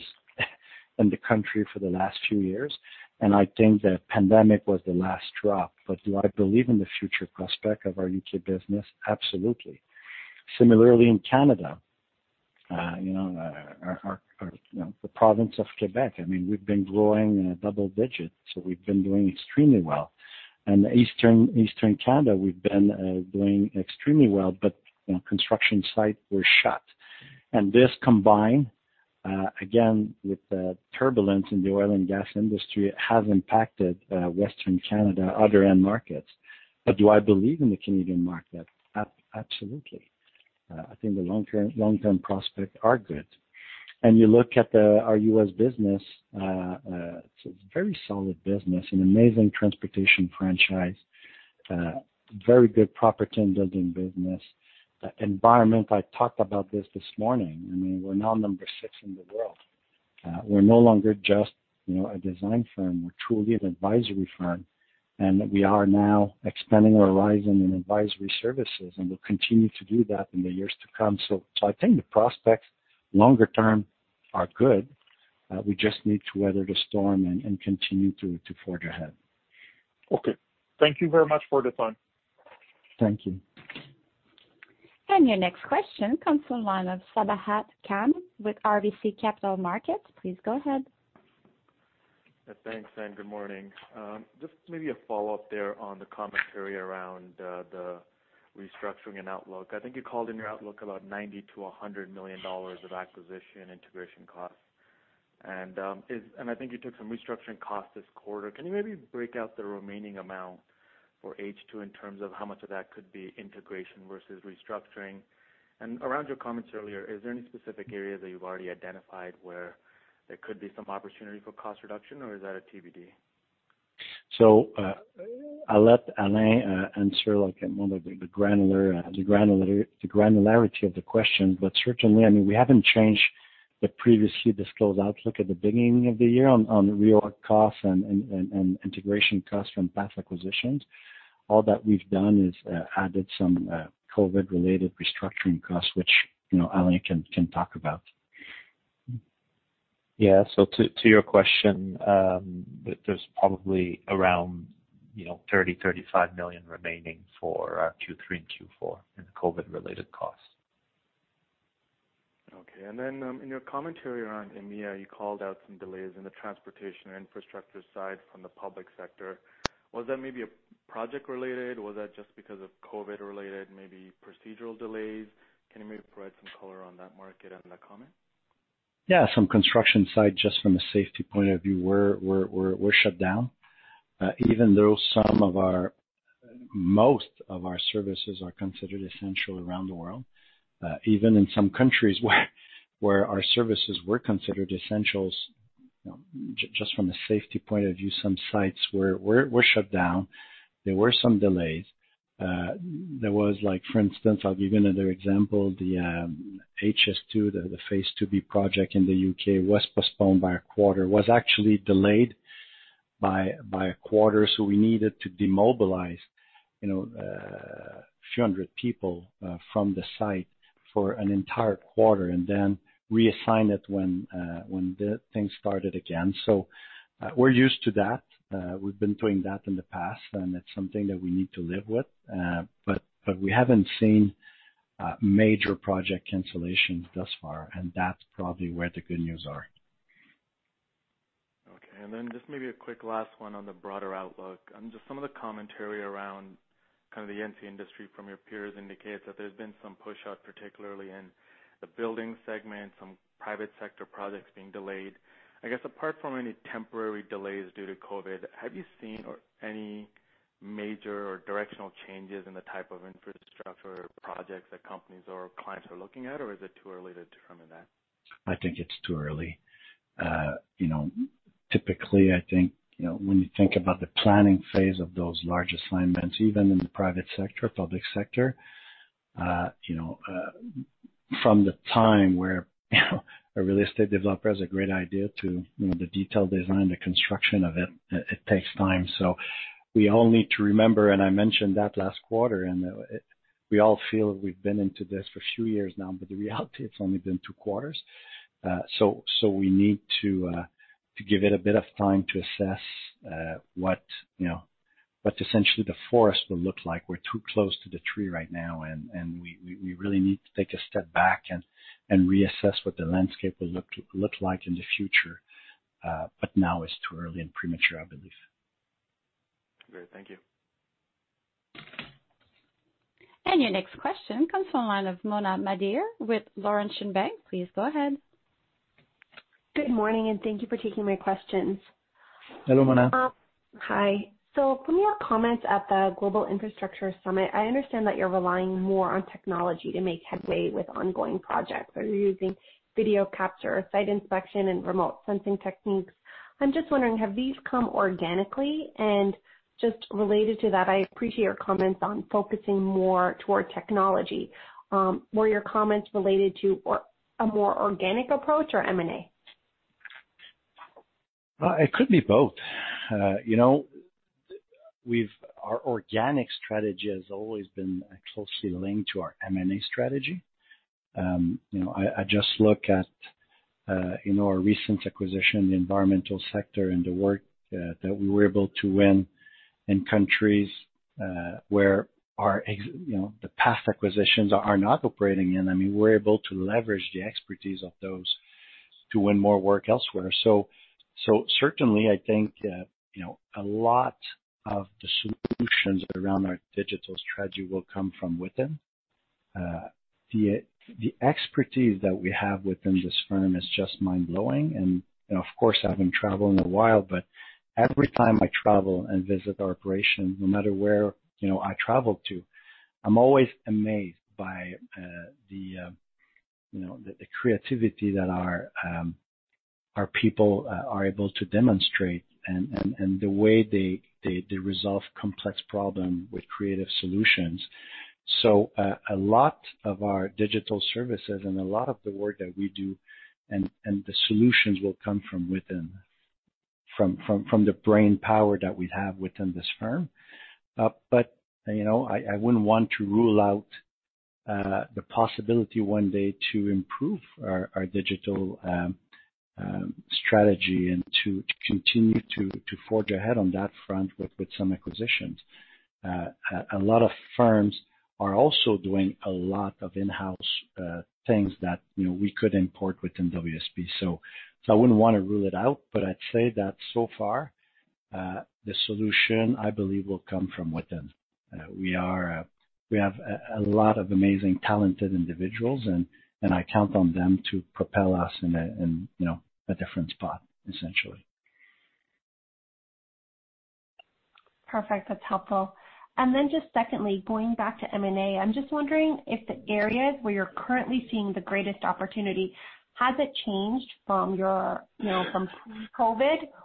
in the country for the last few years, and I think the pandemic was the last drop, but do I believe in the future prospect of our U.K. business? Absolutely. Similarly, in Canada, the province of Quebec, I mean, we've been growing double-digits, so we've been doing extremely well, and Eastern Canada, we've been doing extremely well, but construction sites were shut, and this combined, again, with the turbulence in the oil and gas industry, has impacted Western Canada, other end markets, but do I believe in the Canadian market? Absolutely. I think the long-term prospects are good, and you look at our U.S. business, it's a very solid business, an amazing transportation franchise, very good property and building business. Environment, I talked about this this morning. I mean, we're now number six in the world. We're no longer just a design firm. We're truly an advisory firm, and we are now expanding our horizon in advisory services, and we'll continue to do that in the years to come, so I think the prospects longer term are good. We just need to weather the storm and continue to forge ahead. Okay. Thank you very much for the time. Thank you. Your next question comes from Sabahat Khan with RBC Capital Markets. Please go ahead. Thanks, and good morning. Just maybe a follow-up there on the commentary around the restructuring and outlook. I think you called in your outlook about 90 million-100 million dollars of acquisition integration costs. And I think you took some restructuring costs this quarter. Can you maybe break out the remaining amount for H2 in terms of how much of that could be integration versus restructuring? And around your comments earlier, is there any specific area that you've already identified where there could be some opportunity for cost reduction, or is that a TBD? So I'll let Alain answer more of the granularity of the question. But certainly, I mean, we haven't changed the previously disclosed outlook at the beginning of the year on reorg costs and integration costs from past acquisitions. All that we've done is added some COVID-related restructuring costs, which Alain can talk about. Yeah. So to your question, there's probably around 30-35 million remaining for Q3 and Q4 and COVID-related costs. Okay. And then in your commentary around EMEA, you called out some delays in the transportation infrastructure side from the public sector. Was that maybe project-related? Was that just because of COVID-related, maybe procedural delays? Can you maybe provide some color on that market and that comment? Yeah. On the construction side, just from a safety point of view, we're shut down. Even though some of our services are considered essential around the world, even in some countries where our services were considered essential, just from a safety point of view, some sites were shut down. There were some delays. There was, for instance, I'll give you another example. The HS2, the Phase 2b project in the U.K., was postponed by a quarter, was actually delayed by a quarter. So we needed to demobilize a few hundred people from the site for an entire quarter and then reassign it when things started again. So we're used to that. We've been doing that in the past, and it's something that we need to live with, but we haven't seen major project cancellations thus far, and that's probably where the good news are. Okay. And then just maybe a quick last one on the broader outlook. And just some of the commentary around kind of the AEC industry from your peers indicates that there's been some push-out, particularly in the building segment, some private sector projects being delayed. I guess apart from any temporary delays due to COVID, have you seen any major or directional changes in the type of infrastructure projects that companies or clients are looking at, or is it too early to determine that? I think it's too early. Typically, I think when you think about the planning phase of those large assignments, even in the private sector, public sector, from the time where a real estate developer has a great idea to the detailed design, the construction of it, it takes time. So we all need to remember, and I mentioned that last quarter, and we all feel we've been into this for a few years now, but the reality, it's only been two quarters. So we need to give it a bit of time to assess what essentially the forest will look like. We're too close to the tree right now, and we really need to take a step back and reassess what the landscape will look like in the future. But now it's too early and premature, I believe. Great. Thank you. Your next question comes from Mona Nazir with Laurentian Bank Securities. Please go ahead. Good morning, and thank you for taking my questions. Hello, Mona. Hi. So from your comments at the Global Infrastructure Summit, I understand that you're relying more on technology to make headway with ongoing projects. So you're using video capture, site inspection, and remote sensing techniques. I'm just wondering, have these come organically? And just related to that, I appreciate your comments on focusing more toward technology. Were your comments related to a more organic approach or M&A? It could be both. Our organic strategy has always been closely linked to our M&A strategy. I just look at our recent acquisition, the environmental sector, and the work that we were able to win in countries where the past acquisitions are not operating in. I mean, we're able to leverage the expertise of those to win more work elsewhere. So certainly, I think a lot of the solutions around our digital strategy will come from within. The expertise that we have within this firm is just mind-blowing. And of course, I've been traveling a while, but every time I travel and visit our operations, no matter where I travel to, I'm always amazed by the creativity that our people are able to demonstrate and the way they resolve complex problems with creative solutions. So a lot of our digital services and a lot of the work that we do and the solutions will come from within, from the brain power that we have within this firm. But I wouldn't want to rule out the possibility one day to improve our digital strategy and to continue to forge ahead on that front with some acquisitions. A lot of firms are also doing a lot of in-house things that we could import within WSP. So I wouldn't want to rule it out, but I'd say that so far, the solution, I believe, will come from within. We have a lot of amazing, talented individuals, and I count on them to propel us in a different spot, essentially. Perfect. That's helpful. And then just secondly, going back to M&A, I'm just wondering if the areas where you're currently seeing the greatest opportunity, has it changed from COVID,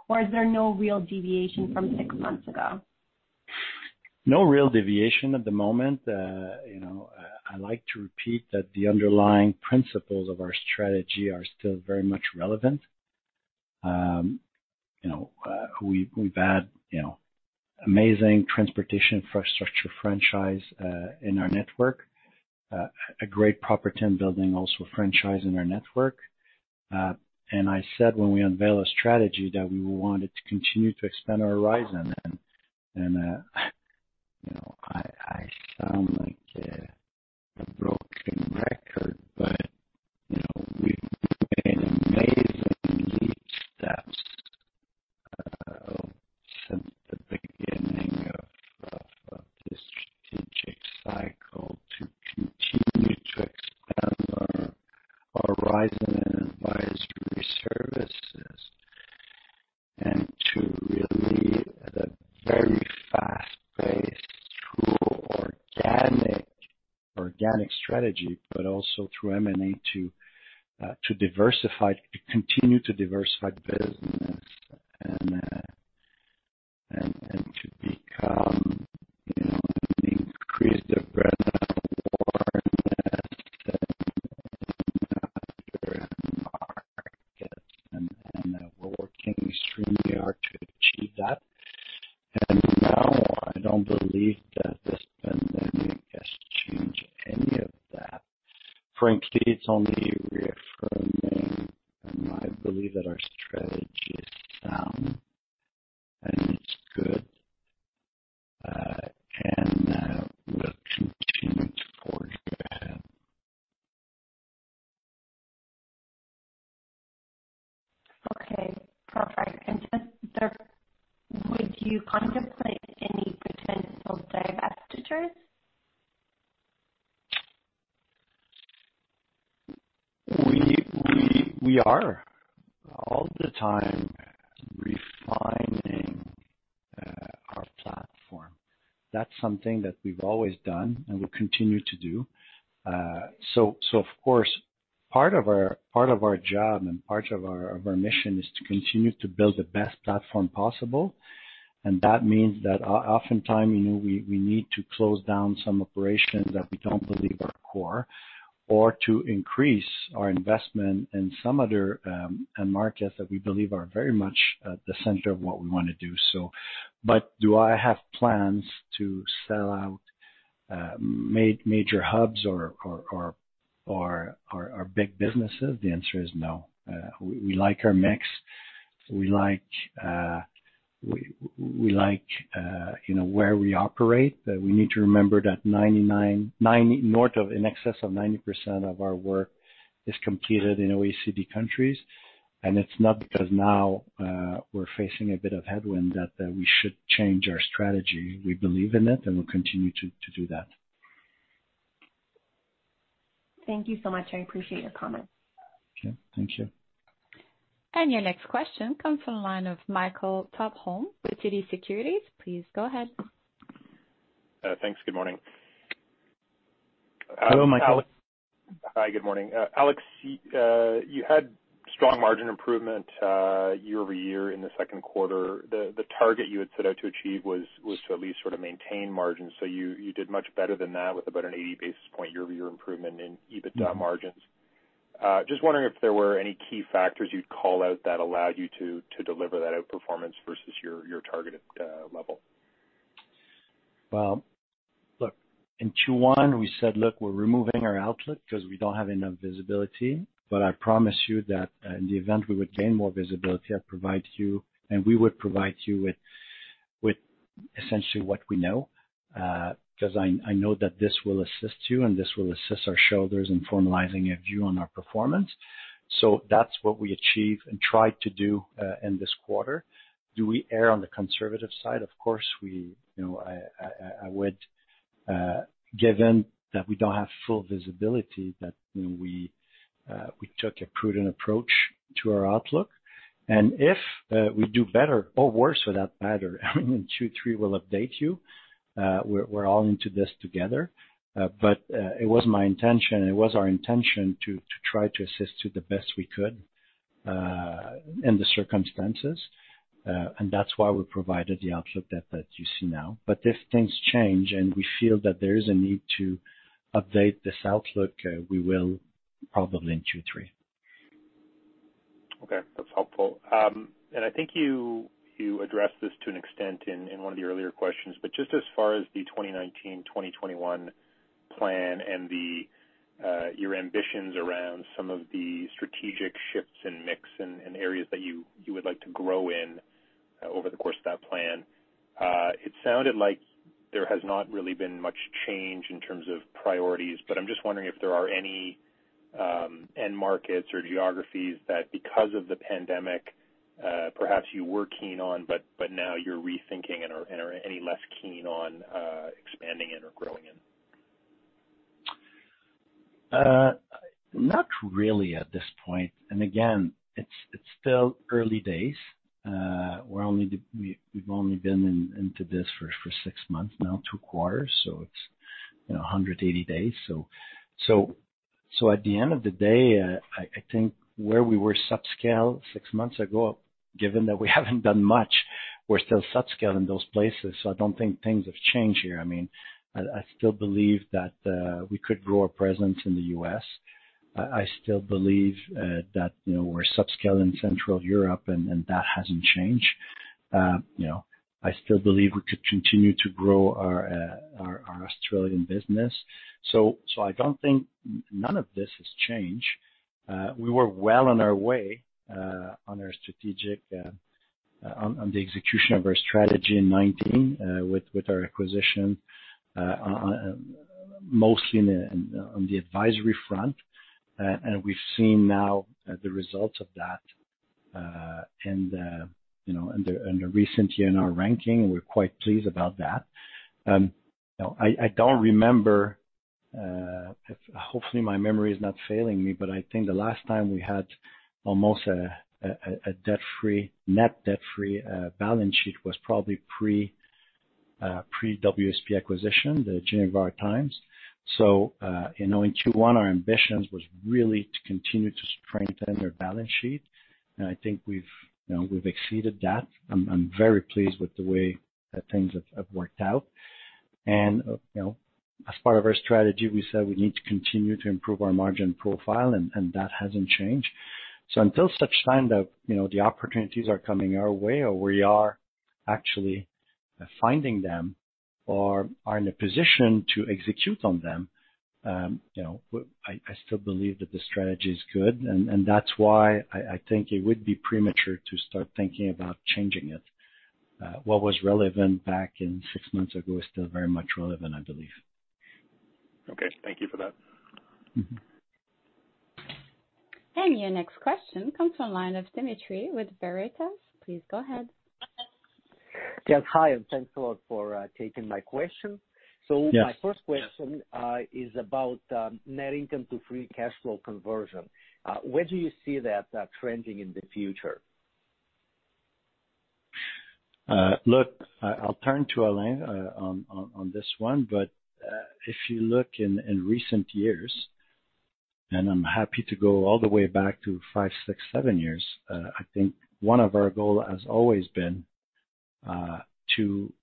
or is there no real deviation from six months ago? No real deviation at the moment. I like to repeat that the underlying principles of our strategy are still very much relevant. We've had amazing transportation infrastructure franchise in our network, a great property and building also franchise in our network, and I said when we unveil a strategy that we wanted to continue to expand our horizon. I sound like a broken record, but we've made amazing leaps since the beginning of this strategic cycle to continue to expand our horizon in advisory services and to really at a very fast pace through organic strategy, but also through M&A to continue to diversify business and to become an increased awareness in the market, and we're working extremely hard to achieve that, and now I don't believe that this pandemic has changed any of that. Frankly, it's only reaffirming my belief that our strategy is sound and it's good, and we'll continue to forge ahead. Okay. Perfect, and would you contemplate any potential divestitures? We are all the time refining our platform. That's something that we've always done and we'll continue to do. So of course, part of our job and part of our mission is to continue to build the best platform possible. And that means that oftentimes we need to close down some operations that we don't believe are core or to increase our investment in some other markets that we believe are very much at the center of what we want to do. But do I have plans to sell out major hubs or our big businesses? The answer is no. We like our mix. We like where we operate. We need to remember that in excess of 90% of our work is completed in OECD countries. And it's not because now we're facing a bit of headwind that we should change our strategy. We believe in it, and we'll continue to do that. Thank you so much. I appreciate your comments. Okay. Thank you. And your next question comes from the line of with Michael Tupholme with TD Securities. Please go ahead. Thanks. Good morning. Hello, Michael. Hi. Good morning. Alex, you had strong margin improvement year-over-year in the second quarter. The target you had set out to achieve was to at least sort of maintain margins. So you did much better than that with about an 80 basis points year-over-year improvement in EBITDA margins. Just wondering if there were any key factors you'd call out that allowed you to deliver that outperformance versus your targeted level? Look, in Q1, we said, "Look, we're removing our outlook because we don't have enough visibility." But I promise you that in the event we would gain more visibility, I'd provide you and we would provide you with essentially what we know because I know that this will assist you and this will assist our shareholders in formalizing a view on our performance. So that's what we achieve and tried to do in this quarter. Do we err on the conservative side? Of course, we would, given that we don't have full visibility, that we took a prudent approach to our outlook. And if we do better or worse for that matter, I mean, in Q3, we'll update you. We're all into this together. But it was my intention, and it was our intention to try to assist you the best we could in the circumstances. And that's why we provided the outlook that you see now. But if things change and we feel that there is a need to update this outlook, we will probably in Q3. Okay. That's helpful. And I think you addressed this to an extent in one of the earlier questions, but just as far as the 2019, 2021 plan and your ambitions around some of the strategic shifts and mix and areas that you would like to grow in over the course of that plan, it sounded like there has not really been much change in terms of priorities. But I'm just wondering if there are any end markets or geographies that because of the pandemic, perhaps you were keen on, but now you're rethinking and are any less keen on expanding in or growing in? Not really at this point, and again, it's still early days. We've only been into this for six months now, two quarters, so it's 180 days, so at the end of the day, I think where we were subscale six months ago, given that we haven't done much, we're still subscale in those places, so I don't think things have changed here. I mean, I still believe that we could grow our presence in the U.S. I still believe that we're subscale in Central Europe, and that hasn't changed. I still believe we could continue to grow our Australian business, so I don't think none of this has changed. We were well on our way on the execution of our strategy in 2019 with our acquisition, mostly on the advisory front, and we've seen now the results of that in the recent year in our ranking. We're quite pleased about that. I don't remember if hopefully my memory is not failing me, but I think the last time we had almost a net debt-free balance sheet was probably pre-WSP acquisition, the GENIVAR times, so in Q1, our ambition was really to continue to strengthen our balance sheet, and I think we've exceeded that. I'm very pleased with the way that things have worked out, and as part of our strategy, we said we need to continue to improve our margin profile, and that hasn't changed, so until such time that the opportunities are coming our way or we are actually finding them or are in a position to execute on them, I still believe that the strategy is good, and that's why I think it would be premature to start thinking about changing it. What was relevant back in six months ago is still very much relevant, I believe. Okay. Thank you for that. Your next question comes from Dimitry with Veritas. Please go ahead. Yes. Hi, and thanks a lot for taking my question. So my first question is about net income to free cash flow conversion. Where do you see that trending in the future? Look, I'll turn to Alain on this one. But if you look in recent years, and I'm happy to go all the way back to five, six, seven years, I think one of our goals has always been to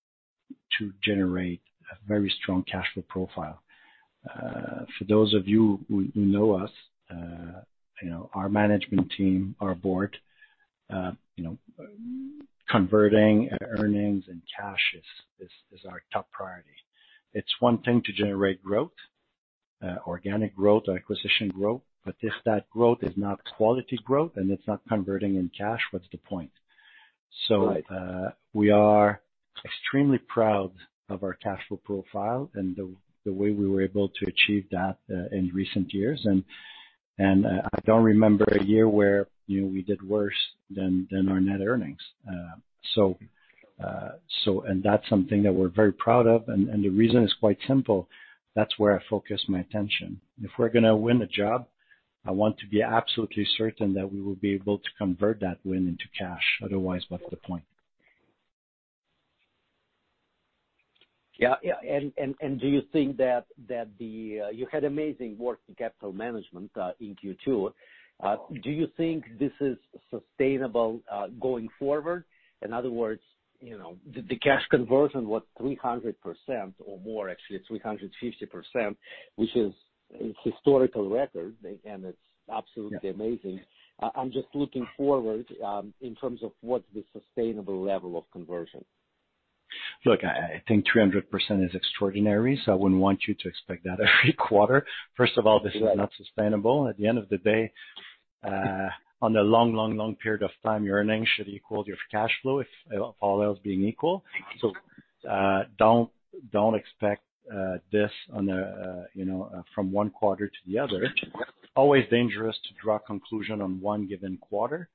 generate a very strong cash flow profile. For those of you who know us, our management team, our board, converting earnings in cash is our top priority. It's one thing to generate growth, organic growth, acquisition growth, but if that growth is not quality growth and it's not converting in cash, what's the point? So we are extremely proud of our cash flow profile and the way we were able to achieve that in recent years. And I don't remember a year where we did worse than our net earnings. And that's something that we're very proud of. And the reason is quite simple. That's where I focus my attention. If we're going to win a job, I want to be absolutely certain that we will be able to convert that win into cash. Otherwise, what's the point? Yeah, and do you think that you had amazing work in capital management in Q2? Do you think this is sustainable going forward? In other words, the cash conversion, what, 300% or more, actually 350%, which is a historical record, and it's absolutely amazing. I'm just looking forward in terms of what's the sustainable level of conversion? Look, I think 300% is extraordinary. So I wouldn't want you to expect that every quarter. First of all, this is not sustainable. At the end of the day, on a long, long, long period of time, your earnings should equal your cash flow if all else being equal. So don't expect this from one quarter to the other. Always dangerous to draw a conclusion on one given quarter.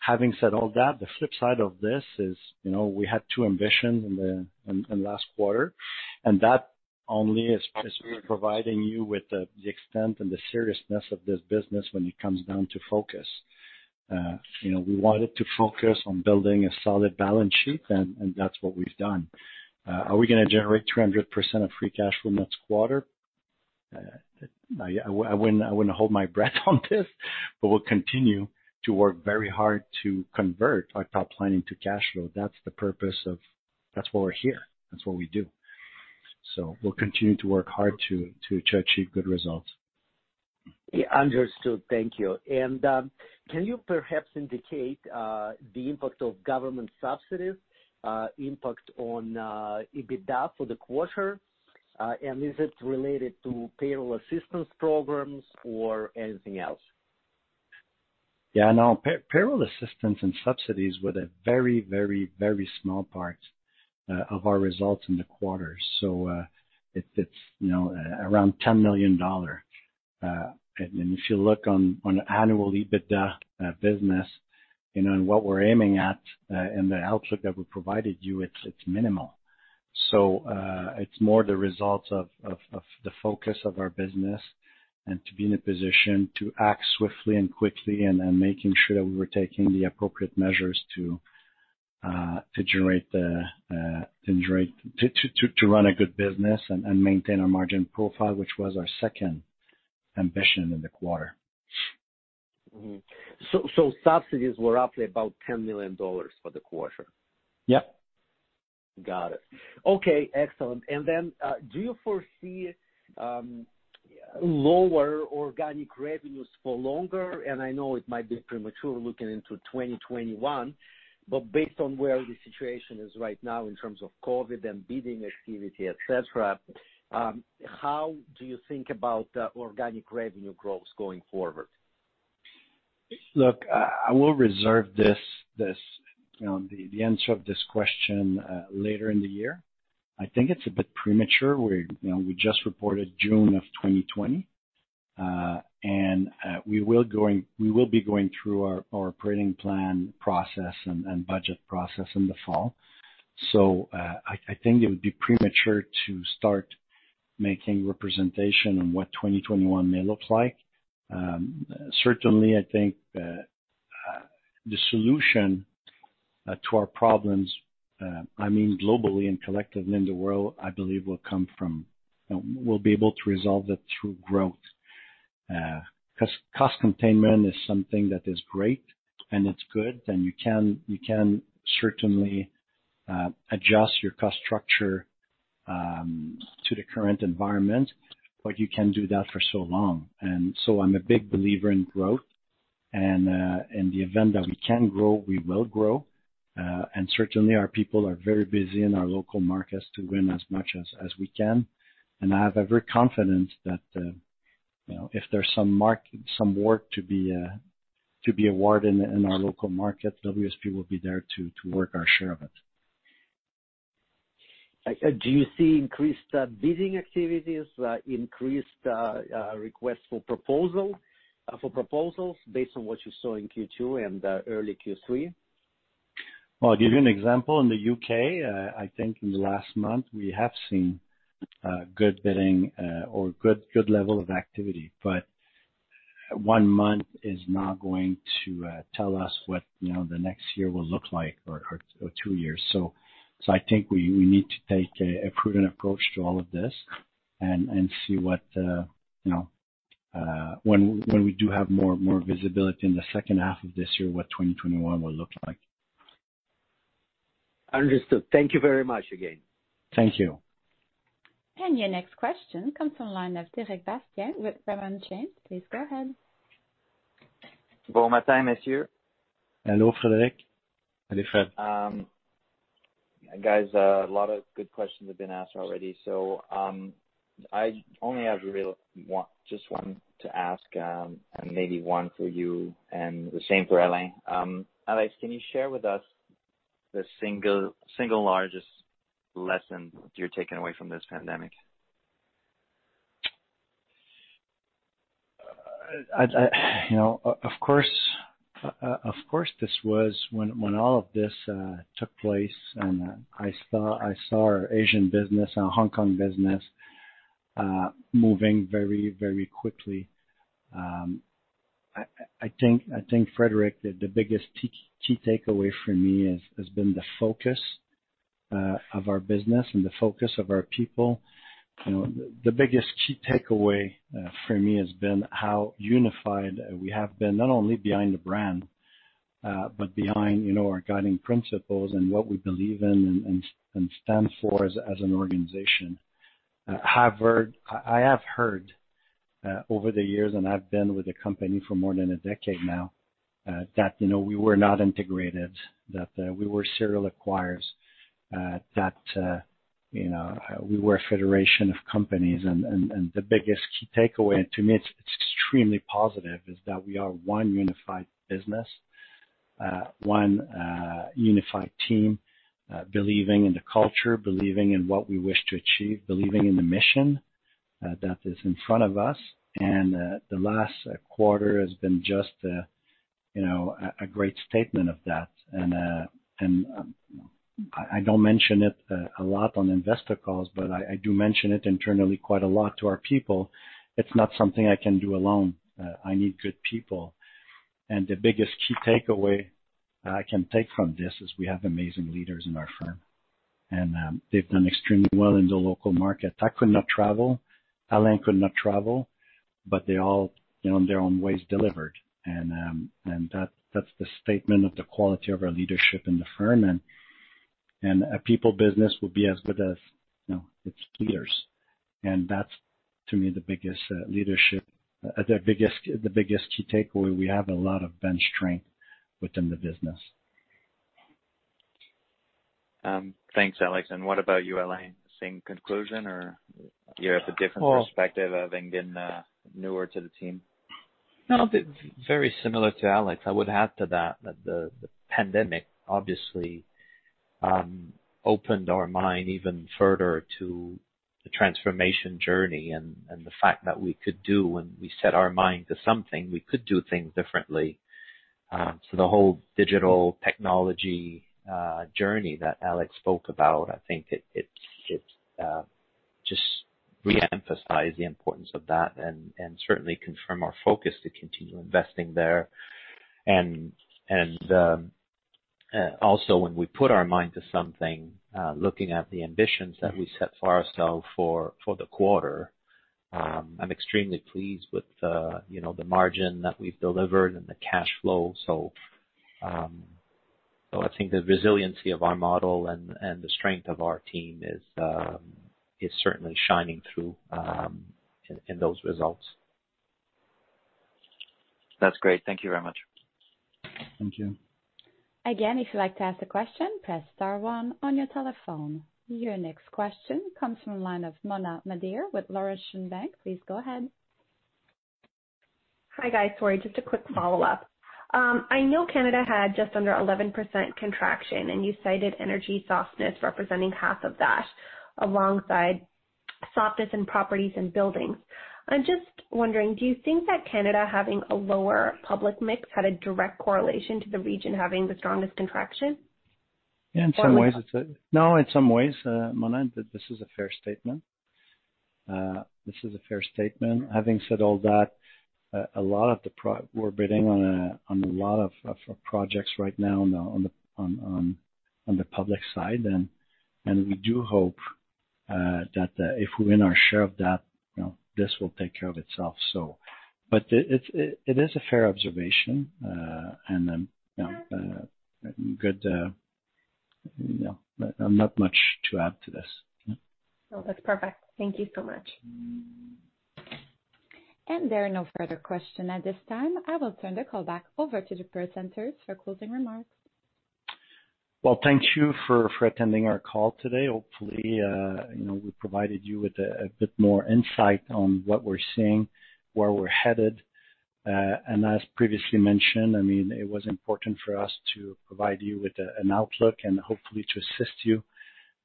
Having said all that, the flip side of this is we had two ambitions in the last quarter. And that only is providing you with the extent and the seriousness of this business when it comes down to focus. We wanted to focus on building a solid balance sheet, and that's what we've done. Are we going to generate 300% of free cash flow next quarter? I wouldn't hold my breath on this, but we'll continue to work very hard to convert our top line into cash flow. That's the purpose of that. That's why we're here. That's what we do. So we'll continue to work hard to achieve good results. Understood. Thank you. And can you perhaps indicate the impact of government subsidies' impact on EBITDA for the quarter? And is it related to payroll assistance programs or anything else? Yeah. No. Payroll assistance and subsidies were a very, very, very small part of our results in the quarter. So it's around $10 million. And if you look on annual EBITDA business and what we're aiming at and the outlook that we provided you, it's minimal. So it's more the results of the focus of our business and to be in a position to act swiftly and quickly and making sure that we were taking the appropriate measures to generate the to run a good business and maintain our margin profile, which was our second ambition in the quarter. So subsidies were roughly about 10 million dollars for the quarter? Yep. Got it. Okay. Excellent. And then do you foresee lower organic revenues for longer? And I know it might be premature looking into 2021, but based on where the situation is right now in terms of COVID and bidding activity, etc., how do you think about organic revenue growth going forward? Look, I will reserve the answer of this question later in the year. I think it's a bit premature. We just reported June of 2020, and we will be going through our operating plan process and budget process in the fall, so I think it would be premature to start making representation on what 2021 may look like. Certainly, I think the solution to our problems, I mean, globally and collectively in the world, I believe will come from we'll be able to resolve it through growth. Cost containment is something that is great, and it's good, and you can certainly adjust your cost structure to the current environment, but you can do that for so long, and so I'm a big believer in growth, and in the event that we can grow, we will grow. And certainly, our people are very busy in our local markets to win as much as we can. And I have every confidence that if there's some work to be awarded in our local market, WSP will be there to work our share of it. Do you see increased bidding activities, increased requests for proposals based on what you saw in Q2 and early Q3? I'll give you an example. In the U.K., I think in the last month, we have seen good bidding or good level of activity but one month is not going to tell us what the next year will look like or two years, so I think we need to take a prudent approach to all of this and see what, when we do have more visibility in the second half of this year, what 2021 will look like. Understood. Thank you very much again. Thank you. Your next question comes from Frédéric Bastien with Raymond James. Please go ahead. Bon matin, messieurs. Hello, Frédéric. Hello, Fred. Guys, a lot of good questions have been asked already. So I only have just one to ask and maybe one for you and the same for Alain. Alain, can you share with us the single largest lesson you're taking away from this pandemic? Of course, this was when all of this took place, and I saw our Asian business, our Hong Kong business moving very, very quickly. I think, Frédéric, the biggest key takeaway for me has been the focus of our business and the focus of our people. The biggest key takeaway for me has been how unified we have been, not only behind the brand, but behind our guiding principles and what we believe in and stand for as an organization. I have heard over the years, and I've been with the company for more than a decade now, that we were not integrated, that we were serial acquirers, that we were a federation of companies. The biggest key takeaway, to me, it's extremely positive, is that we are one unified business, one unified team, believing in the culture, believing in what we wish to achieve, believing in the mission that is in front of us. The last quarter has been just a great statement of that. I don't mention it a lot on investor calls, but I do mention it internally quite a lot to our people. It's not something I can do alone. I need good people. The biggest key takeaway I can take from this is we have amazing leaders in our firm, and they've done extremely well in the local market. I could not travel. Alain could not travel, but they all, in their own ways, delivered. That's the statement of the quality of our leadership in the firm. And a people business will be as good as its leaders. And that's, to me, the biggest leadership, the biggest key takeaway. We have a lot of bench strength within the business. Thanks, Alex. And what about you, Alain? Same conclusion, or you have a different perspective of being newer to the team? No, very similar to Alex. I would add to that that the pandemic obviously opened our mind even further to the transformation journey and the fact that we could do, when we set our mind to something, we could do things differently. So the whole digital technology journey that Alex spoke about, I think it just re-emphasized the importance of that and certainly confirmed our focus to continue investing there. And also, when we put our mind to something, looking at the ambitions that we set for ourselves for the quarter, I'm extremely pleased with the margin that we've delivered and the cash flow. So I think the resiliency of our model and the strength of our team is certainly shining through in those results. That's great. Thank you very much. Thank you. Again, if you'd like to ask a question, press star one on your telephone. Your next question comes from Mona Nazir with Laurentian Bank. Please go ahead. Hi, guys. Sorry, just a quick follow-up. I know Canada had just under 11% contraction, and you cited energy softness representing half of that alongside softness in properties and buildings. I'm just wondering, do you think that Canada having a lower public mix had a direct correlation to the region having the strongest contraction? Yeah. In some ways, it's a no, in some ways, Alain, this is a fair statement. Having said all that, a lot of the, we're bidding on a lot of projects right now on the public side, and we do hope that if we win our share of that, this will take care of itself. But it is a fair observation, and good. Not much to add to this. No, that's perfect. Thank you so much. There are no further questions at this time. I will turn the call back over to the presenters for closing remarks. Thank you for attending our call today. Hopefully, we provided you with a bit more insight on what we're seeing, where we're headed. As previously mentioned, I mean, it was important for us to provide you with an outlook and hopefully to assist you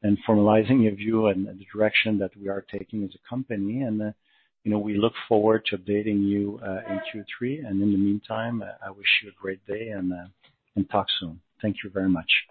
in formalizing your view and the direction that we are taking as a company. We look forward to updating you in Q3. In the meantime, I wish you a great day and talk soon. Thank you very much.